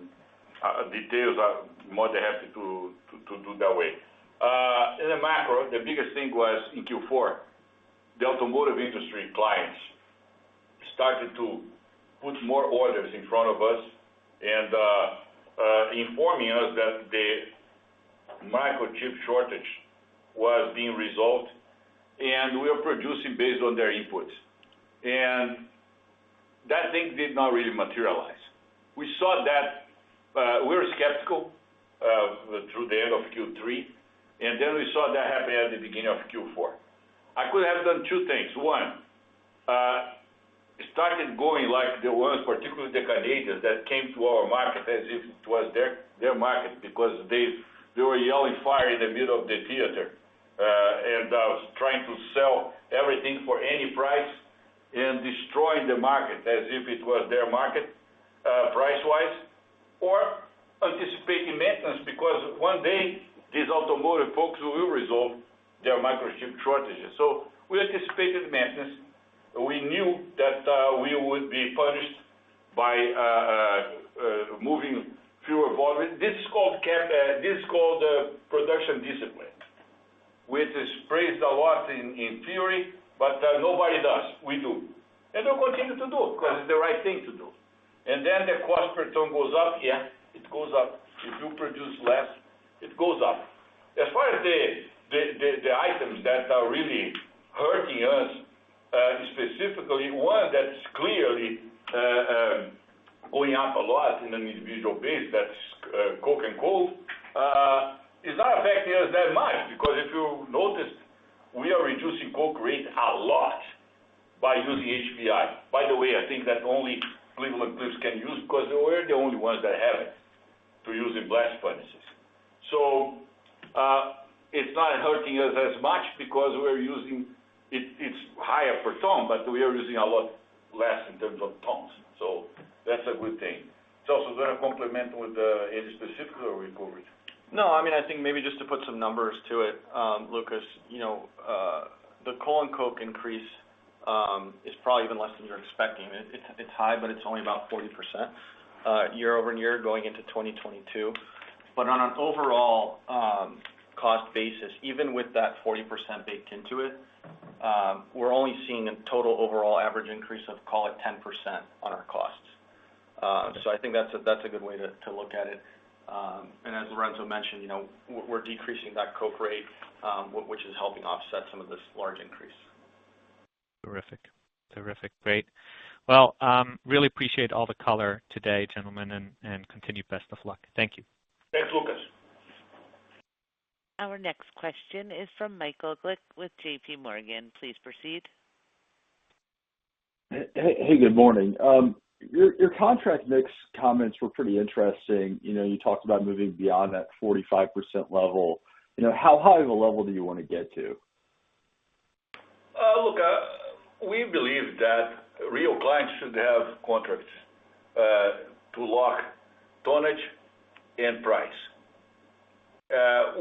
[SPEAKER 3] details, I'm more than happy to do it that way. In the macro, the biggest thing was in Q4, the automotive industry clients started to put more orders in front of us and informing us that the microchip shortage was being resolved, and we are producing based on their inputs. That thing did not really materialize. We saw that we were skeptical through the end of Q3, and then we saw that happen at the beginning of Q4. I could have done two things. One started going like the ones, particularly the Canadians, that came to our market as if it was their market because they were yelling fire in the middle of the theater, and I was trying to sell everything for any price and destroying the market as if it was their market, price-wise, or anticipating maintenance, because one day these automotive folks will resolve their microchip shortages. We anticipated maintenance. We knew that we would be punished by moving fewer volumes. This is called production discipline, which is praised a lot in theory, but nobody does. We do. We'll continue to do it 'cause it's the right thing to do. Then the cost per ton goes up. Yeah, it goes up. If you produce less, it goes up. As far as the items that are really hurting us, specifically one that's clearly going up a lot on an individual basis, that's coke and coal, is not affecting us that much because if you noticed, we are reducing coke rate a lot by using HBI. By the way, I think that only Cleveland-Cliffs can use it because we're the only ones that have it to use in blast furnaces. It's not hurting us as much because we're using it's higher per ton, but we are using a lot less in terms of tons, so that's a good thing. Celso, do you want to comment with any specific or we covered?
[SPEAKER 2] No, I mean, I think maybe just to put some numbers to it, Lucas, you know, the coal and coke increase is probably even less than you're expecting. It's high, but it's only about 40% year-over-year going into 2022. On an overall cost basis, even with that 40% baked into it, we're only seeing a total overall average increase of, call it 10% on our costs. I think that's a good way to look at it. As Lourenco mentioned, you know, we're decreasing that coke rate, which is helping offset some of this large increase.
[SPEAKER 4] Terrific. Great. Well, really appreciate all the color today, gentlemen, and continued best of luck. Thank you.
[SPEAKER 3] Thanks, Lucas.
[SPEAKER 1] Our next question is from Michael Glick with JPMorgan. Please proceed.
[SPEAKER 5] Hey, good morning. Your contract mix comments were pretty interesting. You know, you talked about moving beyond that 45% level. You know, how high of a level do you wanna get to?
[SPEAKER 3] Look, we believe that real clients should have contracts to lock tonnage and price.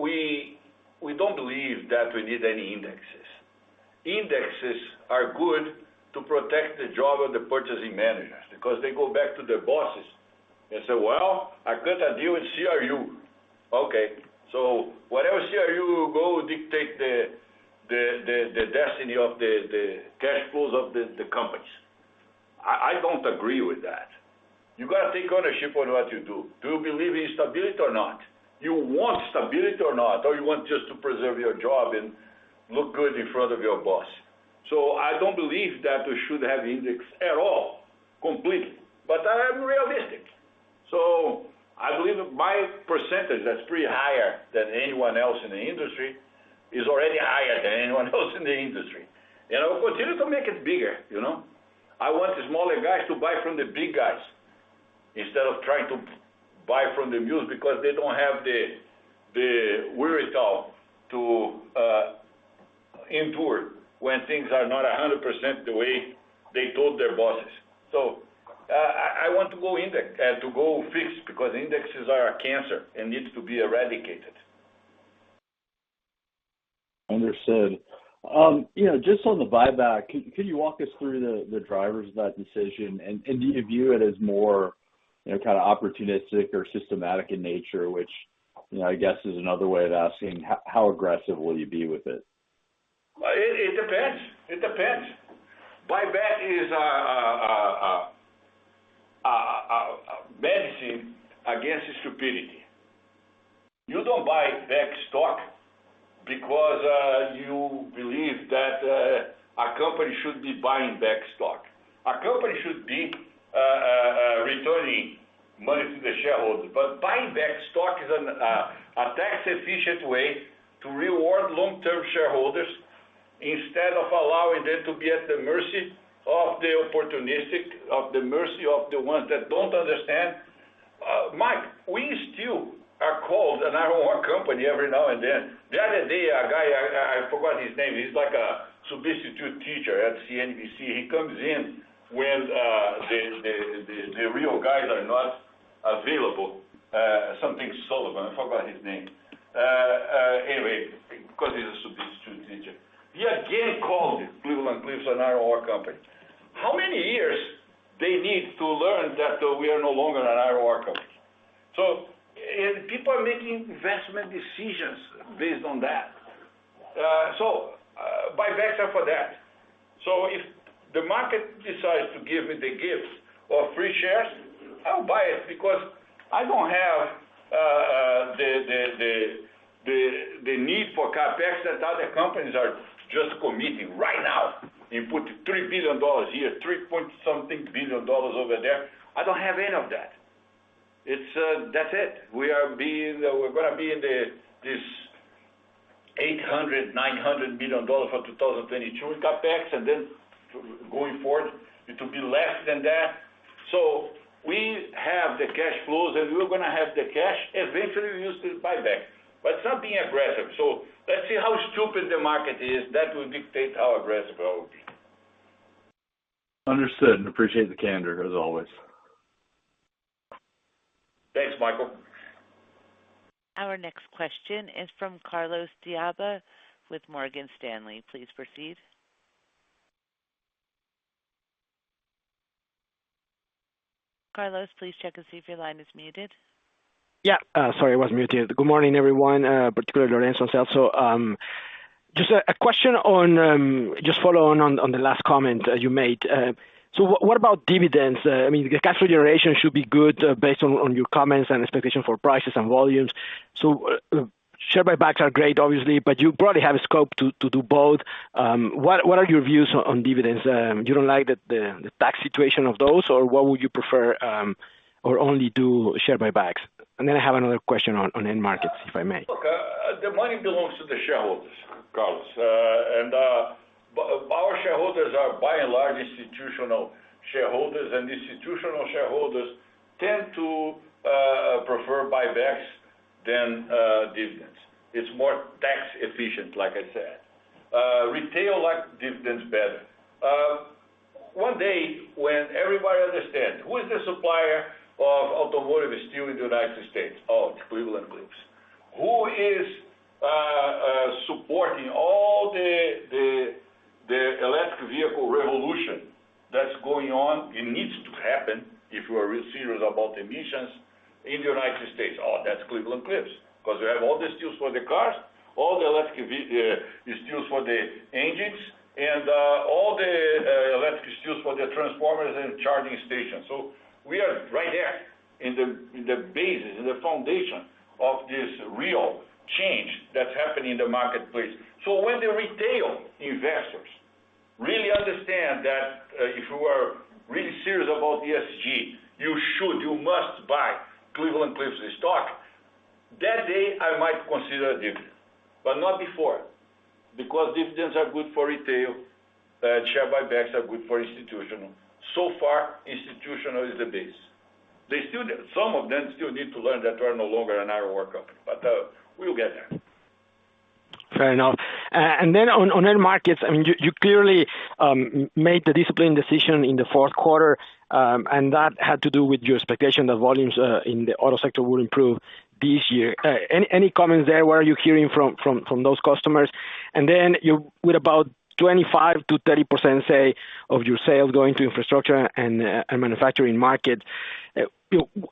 [SPEAKER 3] We don't believe that we need any indexes. Indexes are good to protect the job of the purchasing managers because they go back to their bosses and say, "Well, I got a deal with CRU." Okay. Whatever CRU go dictate the destiny of the cash flows of the companies. I don't agree with that. You gotta take ownership on what you do. Do you believe in stability or not? You want stability or not? You want just to preserve your job and look good in front of your boss? I don't believe that we should have index at all, completely. I am realistic. I believe my percentage that's pretty high is already higher than anyone else in the industry. I will continue to make it bigger, you know? I want the smaller guys to buy from the big guys instead of trying to buy from the mills because they don't have the wherewithal to endure when things are not 100% the way they told their bosses. I want to go fixed because indexes are a cancer and needs to be eradicated.
[SPEAKER 5] Understood. You know, just on the buyback, can you walk us through the drivers of that decision? Do you view it as more, you know, kind of opportunistic or systematic in nature, which, you know, I guess is another way of asking how aggressive will you be with it?
[SPEAKER 3] Well, it depends. Buyback is a medicine against stupidity. You don't buy back stock because you believe that a company should be buying back stock. A company should be returning money to the shareholders. Buying back stock is a tax-efficient way to reward long-term shareholders instead of allowing them to be at the mercy of the opportunistic ones that don't understand. Mike, we still are called an auto company every now and then. The other day, a guy, I forgot his name, he's like a substitute teacher at CNBC. He comes in when the real guys are not available. Something Sullivan. I forgot his name. Anyway, because he's a substitute teacher. He again called Cleveland-Cliffs an auto company. How many years they need to learn that we are no longer an auto company? People are making investment decisions based on that. Buybacks are for that. If the market decides to give me the gifts of free shares, I'll buy it because I don't have the need for CapEx that other companies are just committing right now. They put $3 billion here, $3 point something billion over there. I don't have any of that. It's, that's it. We're gonna be in the $800 million-$900 million for 2022 in CapEx, and then going forward it will be less than that. We have the cash flows, and we're gonna have the cash, eventually we use to buy back, but something aggressive. Let's see how stupid the market is. That will dictate how aggressive I will be.
[SPEAKER 5] Understood, and appreciate the candor, as always.
[SPEAKER 3] Thanks, Michael.
[SPEAKER 1] Our next question is from Carlos de Alba with Morgan Stanley. Please proceed. Carlos, please check to see if your line is muted.
[SPEAKER 6] Sorry, I was muted. Good morning, everyone, particularly Lourenco and Celso. Just a question on just following on the last comment you made. What about dividends? I mean, the cash generation should be good based on your comments and expectations for prices and volumes. Share buybacks are great, obviously, but you probably have a scope to do both. What are your views on dividends? You don't like the tax situation of those, or what would you prefer, or only do share buybacks? Then I have another question on end markets, if I may.
[SPEAKER 3] Look, the money belongs to the shareholders, Carlos. But our shareholders are by and large institutional shareholders, and institutional shareholders tend to prefer buybacks than dividends. It's more tax efficient, like I said. Retail likes dividends better. One day when everybody understand who is the supplier of automotive steel in the United States? Oh, it's Cleveland-Cliffs. Who is supporting all the electric vehicle revolution that's going on and needs to happen if we're really serious about emissions in the United States? Oh, that's Cleveland-Cliffs. Because we have all the steels for the cars, all the electric steels for the engines, and all the electric steels for the transformers and charging stations. We are right there in the basis, in the foundation of this real change that's happening in the marketplace. When the retail investors really understand that, if you are really serious about ESG, you should, you must buy Cleveland-Cliffs' stock, that day I might consider a dividend, but not before, because dividends are good for retail, share buybacks are good for institutional. So far, institutional is the base. Some of them still need to learn that we're no longer an auto company, but we'll get there.
[SPEAKER 6] Fair enough. Then on end markets, I mean, you clearly made the disciplined decision in the fourth quarter, and that had to do with your expectation that volumes in the auto sector will improve this year. Any comments there? What are you hearing from those customers? With about 25%-30%, say, of your sales going to infrastructure and manufacturing market,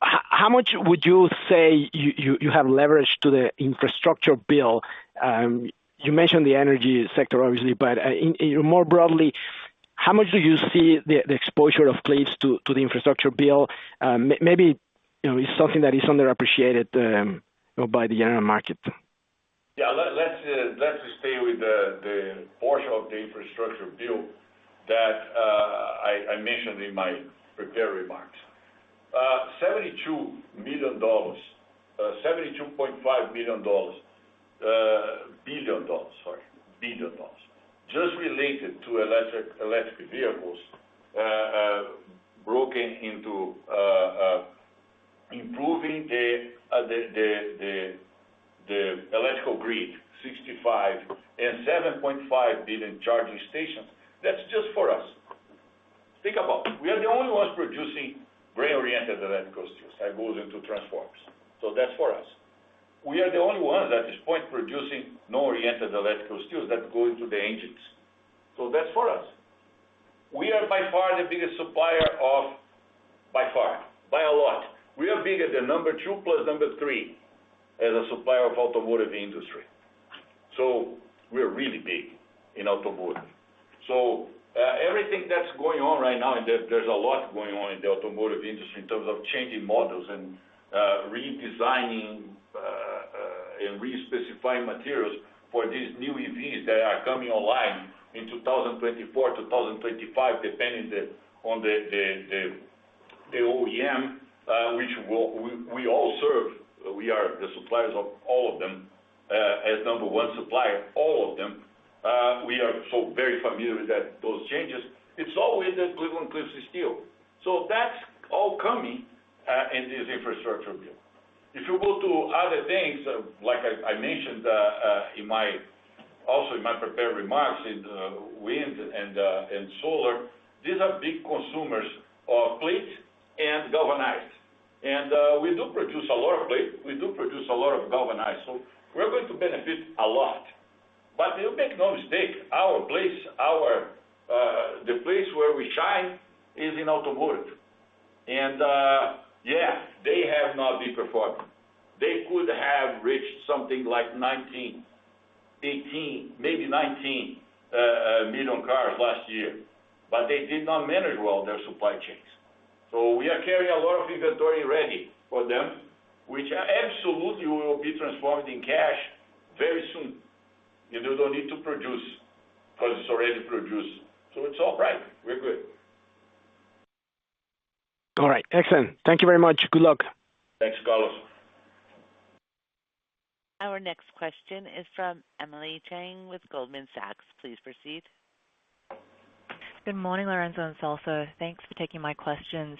[SPEAKER 6] how much would you say you have leverage to the infrastructure bill? You mentioned the energy sector, obviously, but you know, more broadly, how much do you see the exposure of Cliffs to the infrastructure bill? Maybe, you know, it's something that is underappreciated, you know, by the general market.
[SPEAKER 3] Yeah. Let's just stay with the portion of the infrastructure bill that I mentioned in my prepared remarks. $72.5 billion just related to electric vehicles, broken into improving the electrical grid, $65 billion and $7.5 billion charging stations. That's just for us. Think about it. We are the only ones producing electrical steels that goes into transformers. So that's for us. We are the only ones at this point producing non-oriented electrical steels that go into the engines. So that's for us. We are by far the biggest supplier. By far, by a lot, we are bigger than number two plus number three as a supplier of automotive industry. So we're really big in automotive. Everything that's going on right now, there's a lot going on in the automotive industry in terms of changing models and redesigning and re-specifying materials for these new EVs that are coming online in 2024, 2025, depending on the OEM, which we all serve. We are the suppliers of all of them as number one supplier all of them. We are so very familiar with those changes. It's always at Cleveland-Cliffs Steel. That's all coming in this infrastructure bill. If you go to other things, like I mentioned also in my prepared remarks, in wind and solar, these are big consumers of plate and galvanized. We do produce a lot of plate. We do produce a lot of galvanized. We're going to benefit a lot. Make no mistake, our place, our, the place where we shine is in automotive. Yeah, they have not been performing. They could have reached something like 19, 18, maybe 19 million cars last year, but they did not manage well their supply chains. We are carrying a lot of inventory ready for them, which absolutely will be transformed in cash very soon. You know, they don't need to produce because it's already produced. It's all right. We're good.
[SPEAKER 6] All right. Excellent. Thank you very much. Good luck.
[SPEAKER 3] Thanks, Carlos.
[SPEAKER 1] Our next question is from Emily Chieng with Goldman Sachs. Please proceed.
[SPEAKER 7] Good morning, Lourenco and Celso. Thanks for taking my questions.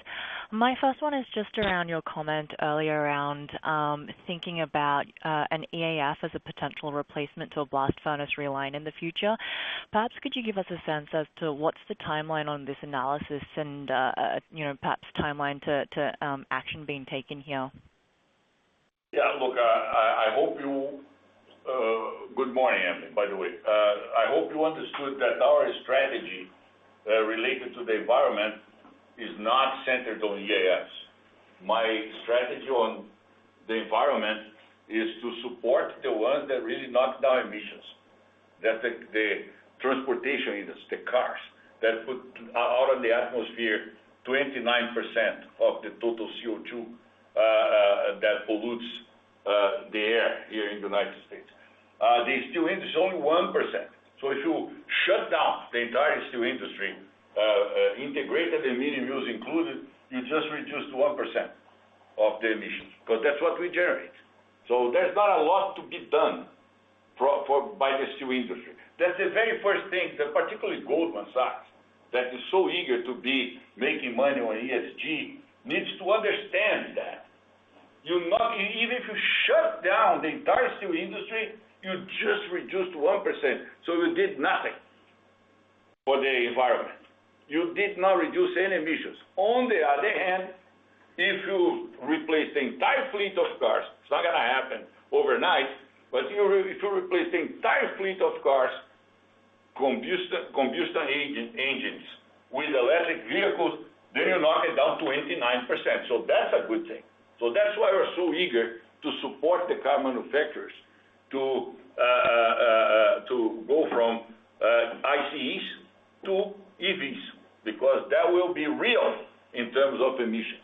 [SPEAKER 7] My first one is just around your comment earlier around thinking about an EAF as a potential replacement to a blast furnace reline in the future. Perhaps could you give us a sense as to what's the timeline on this analysis and you know, perhaps timeline to action being taken here?
[SPEAKER 3] Yeah, look, I hope good morning, Emily, by the way. I hope you understood that our strategy related to the environment is not centered on EAF. My strategy on the environment is to support the ones that really knock down emissions. That's the transportation units, the cars that put out into the atmosphere 29% of the total CO2 that pollutes the air here in the United States. The steel industry is only 1%. If you shut down the entire steel industry, integrated and mini mills included, you just reduced 1% of the emissions, because that's what we generate. There's not a lot to be done by the steel industry. That's the very first thing that particularly Goldman Sachs, that is so eager to be making money on ESG, needs to understand that. Even if you shut down the entire steel industry, you just reduced 1%, so you did nothing for the environment. You did not reduce any emissions. On the other hand, if you replace the entire fleet of cars, it's not gonna happen overnight, but if you replace the entire fleet of cars, combustion engines with electric vehicles, then you knock it down 29%. That's a good thing. That's why we're so eager to support the car manufacturers to go from ICEs to EVs, because that will be real in terms of emissions.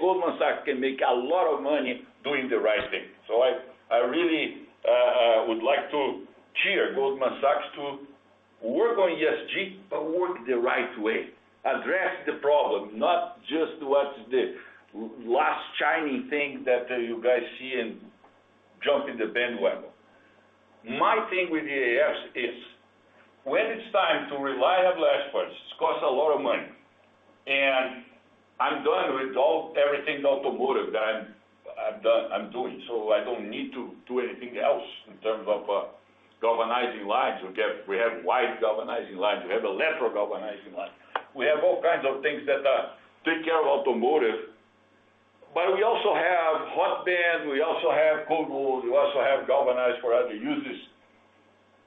[SPEAKER 3] Goldman Sachs can make a lot of money doing the right thing. I really would like to urge Goldman Sachs to work on ESG, but work the right way. Address the problem, not just what's the last shiny thing that you guys see and jump on the bandwagon. My thing with EAF is when it's time to rely on experts, this costs a lot of money, and I'm done with everything automotive that I've done, I'm doing, so I don't need to do anything else in terms of galvanizing lines. We have wide galvanizing lines. We have electric galvanizing lines. We have all kinds of things that take care of automotive. But we also have hot band, we also have cold roll, we also have galvanized for other uses.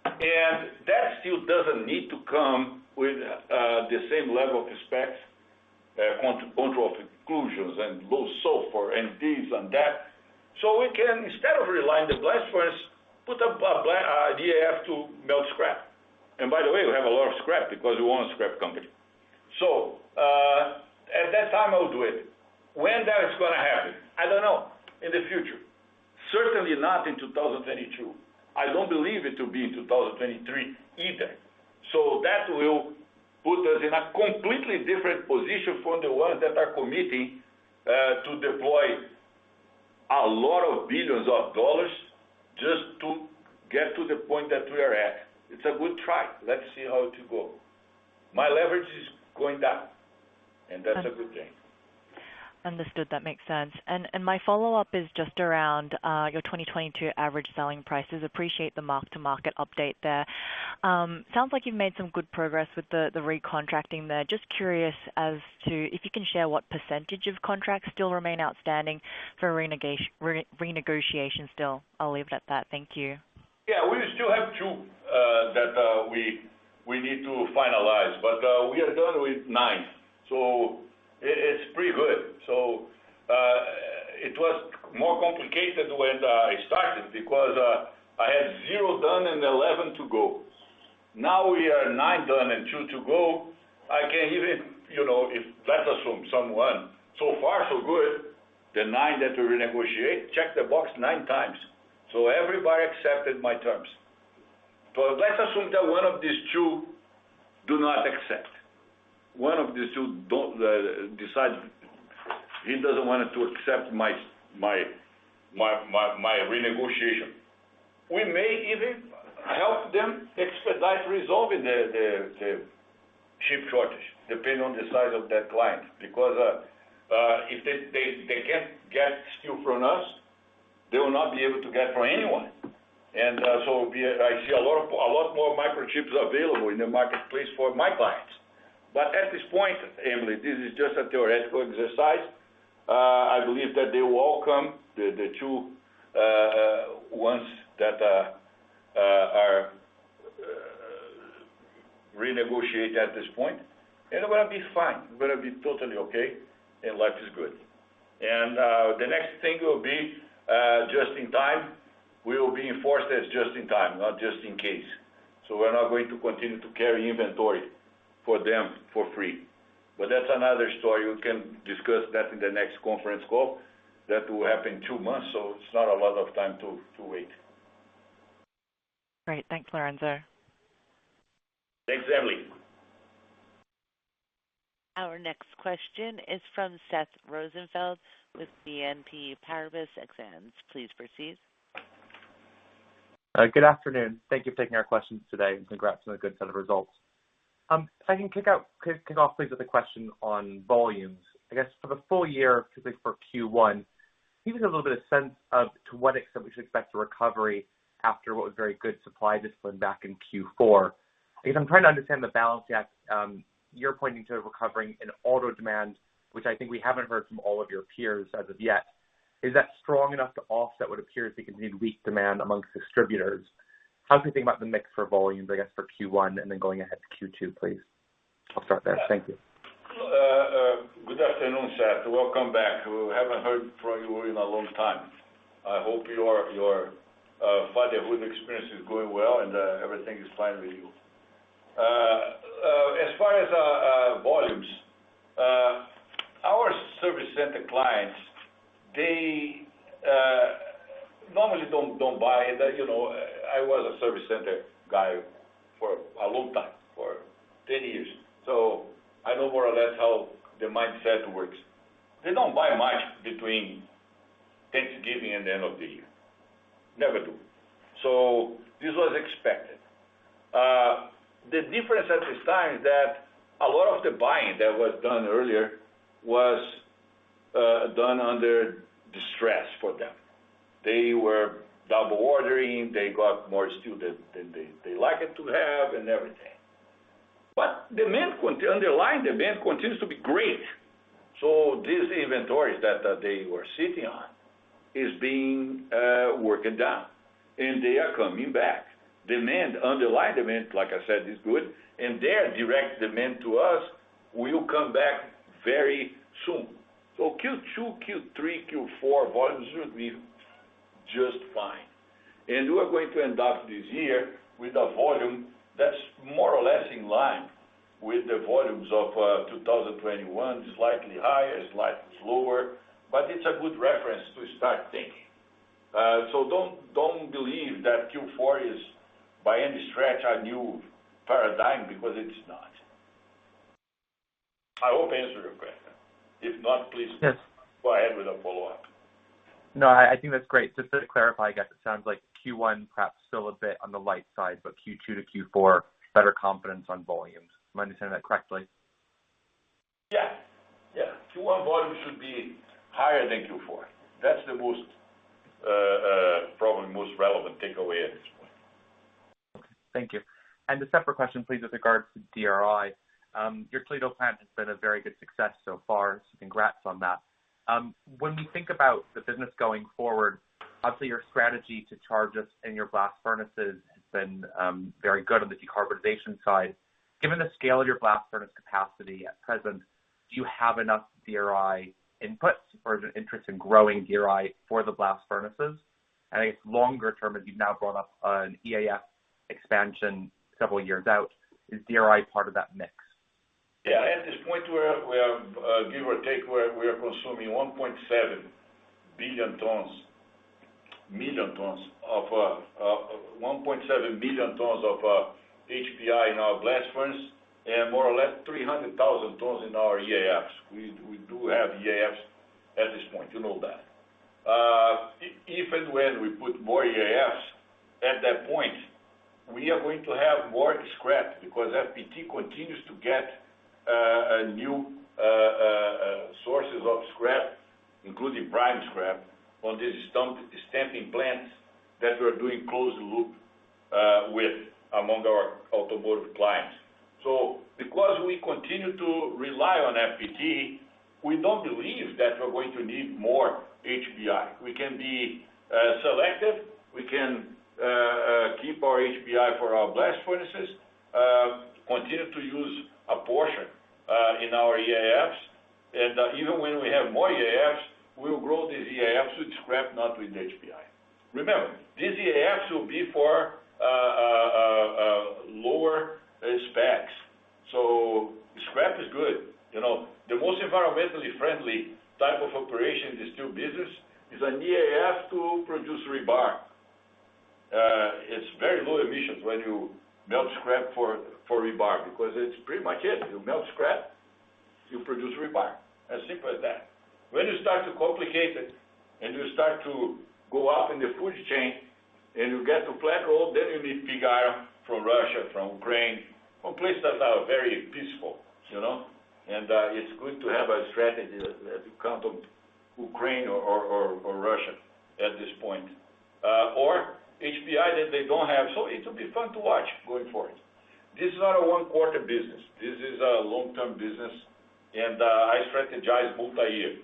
[SPEAKER 3] That steel doesn't need to come with the same level of specs, control of inclusions and low sulfur and this and that. We can, instead of relining the blast furnace, put a EAF to melt scrap. By the way, we have a lot of scrap because we own a scrap company. At that time, I'll do it. When that is gonna happen, I don't know. In the future. Certainly not in 2022. I don't believe it to be in 2023 either. That will put us in a completely different position from the ones that are committing to deploy a lot of billions of dollars just to get to the point that we are at. It's a good try. Let's see how it goes. My leverage is going down, and that's a good thing.
[SPEAKER 7] Understood. That makes sense. My follow-up is just around your 2022 average selling prices. I appreciate the mark-to-market update there. Sounds like you've made some good progress with the recontracting there. Just curious as to if you can share what percentage of contracts still remain outstanding for renegotiation still? I'll leave it at that. Thank you.
[SPEAKER 3] Yeah, we still have two that we need to finalize, but we are done with nine, so it's pretty good. It was more complicated when I started because I had 0 done and 11 to go. Now, we are nine done and two to go. I can even, you know, let's assume someone. So far so good, the nine that we renegotiate check the box nine times. Everybody accepted my terms. Let's assume that one of these two do not accept. One of these two don't decide he doesn't want to accept my renegotiation. We may even help them expedite resolving the chip shortage depending on the size of that client. Because if they can't get steel from us, they will not be able to get from anyone. I see a lot more microchips available in the marketplace for my clients. But at this point, Emily, this is just a theoretical exercise. I believe that they welcome the two ones that are renegotiate at this point, and we're gonna be fine. We're gonna be totally okay, and life is good. The next thing will be just in time, we will be enforced as just in time, not just in case. We're not going to continue to carry inventory for them for free. That's another story we can discuss that in the next conference call. That will happen in two months, so it's not a lot of time to wait.
[SPEAKER 7] Great. Thanks, Lourenco.
[SPEAKER 3] Thanks, Emily.
[SPEAKER 1] Our next question is from Seth Rosenfeld with BNP Paribas Exane. Please proceed.
[SPEAKER 8] Good afternoon. Thank you for taking our questions today, and congrats on a good set of results. If I can kick off please with a question on volumes. I guess for the full year, specifically for Q1, give me a little bit of sense of to what extent we should expect a recovery after what was very good supply discipline back in Q4. I guess I'm trying to understand the balance sheet. You're pointing to a recovery in auto demand, which I think we haven't heard from all of your peers as of yet. Is that strong enough to offset what appears to continue weak demand amongst distributors? How do you think about the mix for volumes, I guess, for Q1 and then going ahead to Q2, please? I'll start there. Thank you.
[SPEAKER 3] Good afternoon, Seth. Welcome back. We haven't heard from you in a long time. I hope your fatherhood experience is going well and everything is fine with you. As far as volumes, our service center clients, they normally don't buy that. You know, I was a service center guy for a long time, for 10 years, so I know more or less how the mindset works. They don't buy much between Thanksgiving and the end of the year. Never do. So this was expected. The difference at this time is that a lot of the buying that was done earlier was done under distress for them. They were double ordering, they got more steel than they like it to have and everything. Underlying demand continues to be great. These inventories that they were sitting on is being worked down, and they are coming back. Demand, underlying demand, like I said, is good, and their direct demand to us will come back very soon. Q2, Q3, Q4, volumes should be just fine. We're going to end up this year with a volume that's more or less in line with the volumes of 2021, slightly higher, slightly slower, but it's a good reference to start thinking. Don't believe that Q4 is by any stretch a new paradigm because it's not. I hope I answered your question. If not, please-
[SPEAKER 8] Yes.
[SPEAKER 3] Go ahead with the follow-up.
[SPEAKER 8] No, I think that's great. Just to clarify, I guess it sounds like Q1 perhaps still a bit on the light side, but Q2 to Q4, better confidence on volumes. Am I understanding that correctly?
[SPEAKER 3] Yeah. Yeah. Q1 volumes should be higher than Q4. That's probably the most relevant takeaway at this point.
[SPEAKER 8] Thank you. A separate question, please, with regards to DRI. Your Toledo plant has been a very good success so far, so congrats on that. When we think about the business going forward, obviously your strategy to charge this in your blast furnaces has been, very good on the decarbonization side. Given the scale of your blast furnace capacity at present, do you have enough DRI inputs or is there interest in growing DRI for the blast furnaces? I guess longer term, as you've now brought up an EAF expansion several years out, is DRI part of that mix?
[SPEAKER 3] Yeah. At this point, give or take, we are consuming 1.7 million tons of HBI in our blast furnace and more or less 300,000 tons in our EAFs. We do have EAFs at this point, you know that. If and when we put more EAFs, at that point, we are going to have more scrap because FPT continues to get new sources of scrap, including prime scrap on these stamping plants that we're doing closed loop with among our automotive clients. Because we continue to rely on FPT, we don't believe that we're going to need more HBI. We can be selective. We can keep our HBI for our blast furnaces, continue to use a portion in our EAFs. Even when we have more EAFs, we'll grow these EAFs with scrap, not with HBI. Remember, these EAFs will be for lower specs. So scrap is good. You know, the most environmentally friendly type of operation in the steel business is an EAF to produce rebar. It's very low emissions when you melt scrap for rebar because it's pretty much it. You melt scrap, you produce rebar. As simple as that. When you start to complicate it and you start to go up in the food chain and you get to black gold, then you need pig iron from Russia, from Ukraine, from places that are very peaceful, you know? It's good to have a strategy that you can't build Ukraine or Russia at this point, or HBI that they don't have. It will be fun to watch going forward. This is not a one-quarter business. This is a long-term business. I strategize multi-year.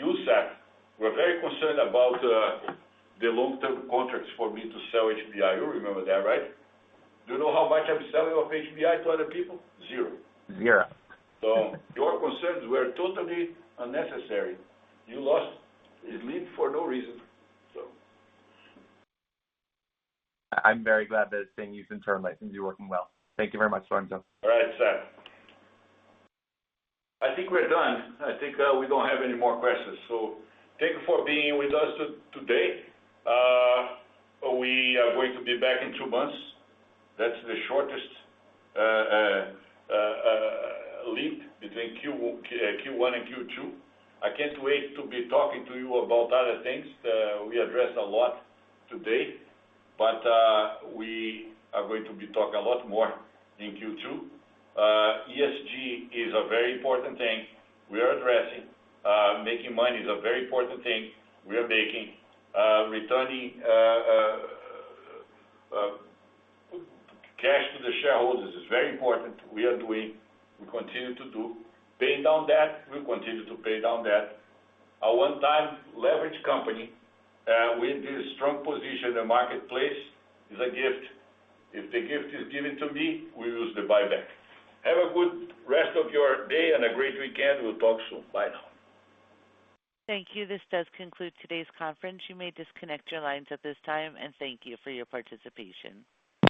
[SPEAKER 3] You, Seth, were very concerned about the long-term contracts for me to sell HBI. You remember that, right? Do you know how much I'm selling of HBI to other people? Zero.
[SPEAKER 8] Zero.
[SPEAKER 3] Your concerns were totally unnecessary. You lost sleep for no reason.
[SPEAKER 8] I'm very glad that it's being used internally since you're working well. Thank you very much, Lourenco.
[SPEAKER 3] All right, Seth. I think we're done. I think we don't have any more questions. Thank you for being with us today. We are going to be back in two months. That's the shortest lead between Q1 and Q2. I can't wait to be talking to you about other things. We addressed a lot today, but we are going to be talking a lot more in Q2. ESG is a very important thing we are addressing. Making money is a very important thing we are making. Returning cash to the shareholders is very important. We are doing. We continue to do. Paying down debt, we continue to pay down debt. A one-time leverage company with this strong position in the marketplace is a gift. If the gift is given to me, we use the buyback. Have a good rest of your day and a great weekend. We'll talk soon. Bye now.
[SPEAKER 1] Thank you. This does conclude today's conference. You may disconnect your lines at this time, and thank you for your participation.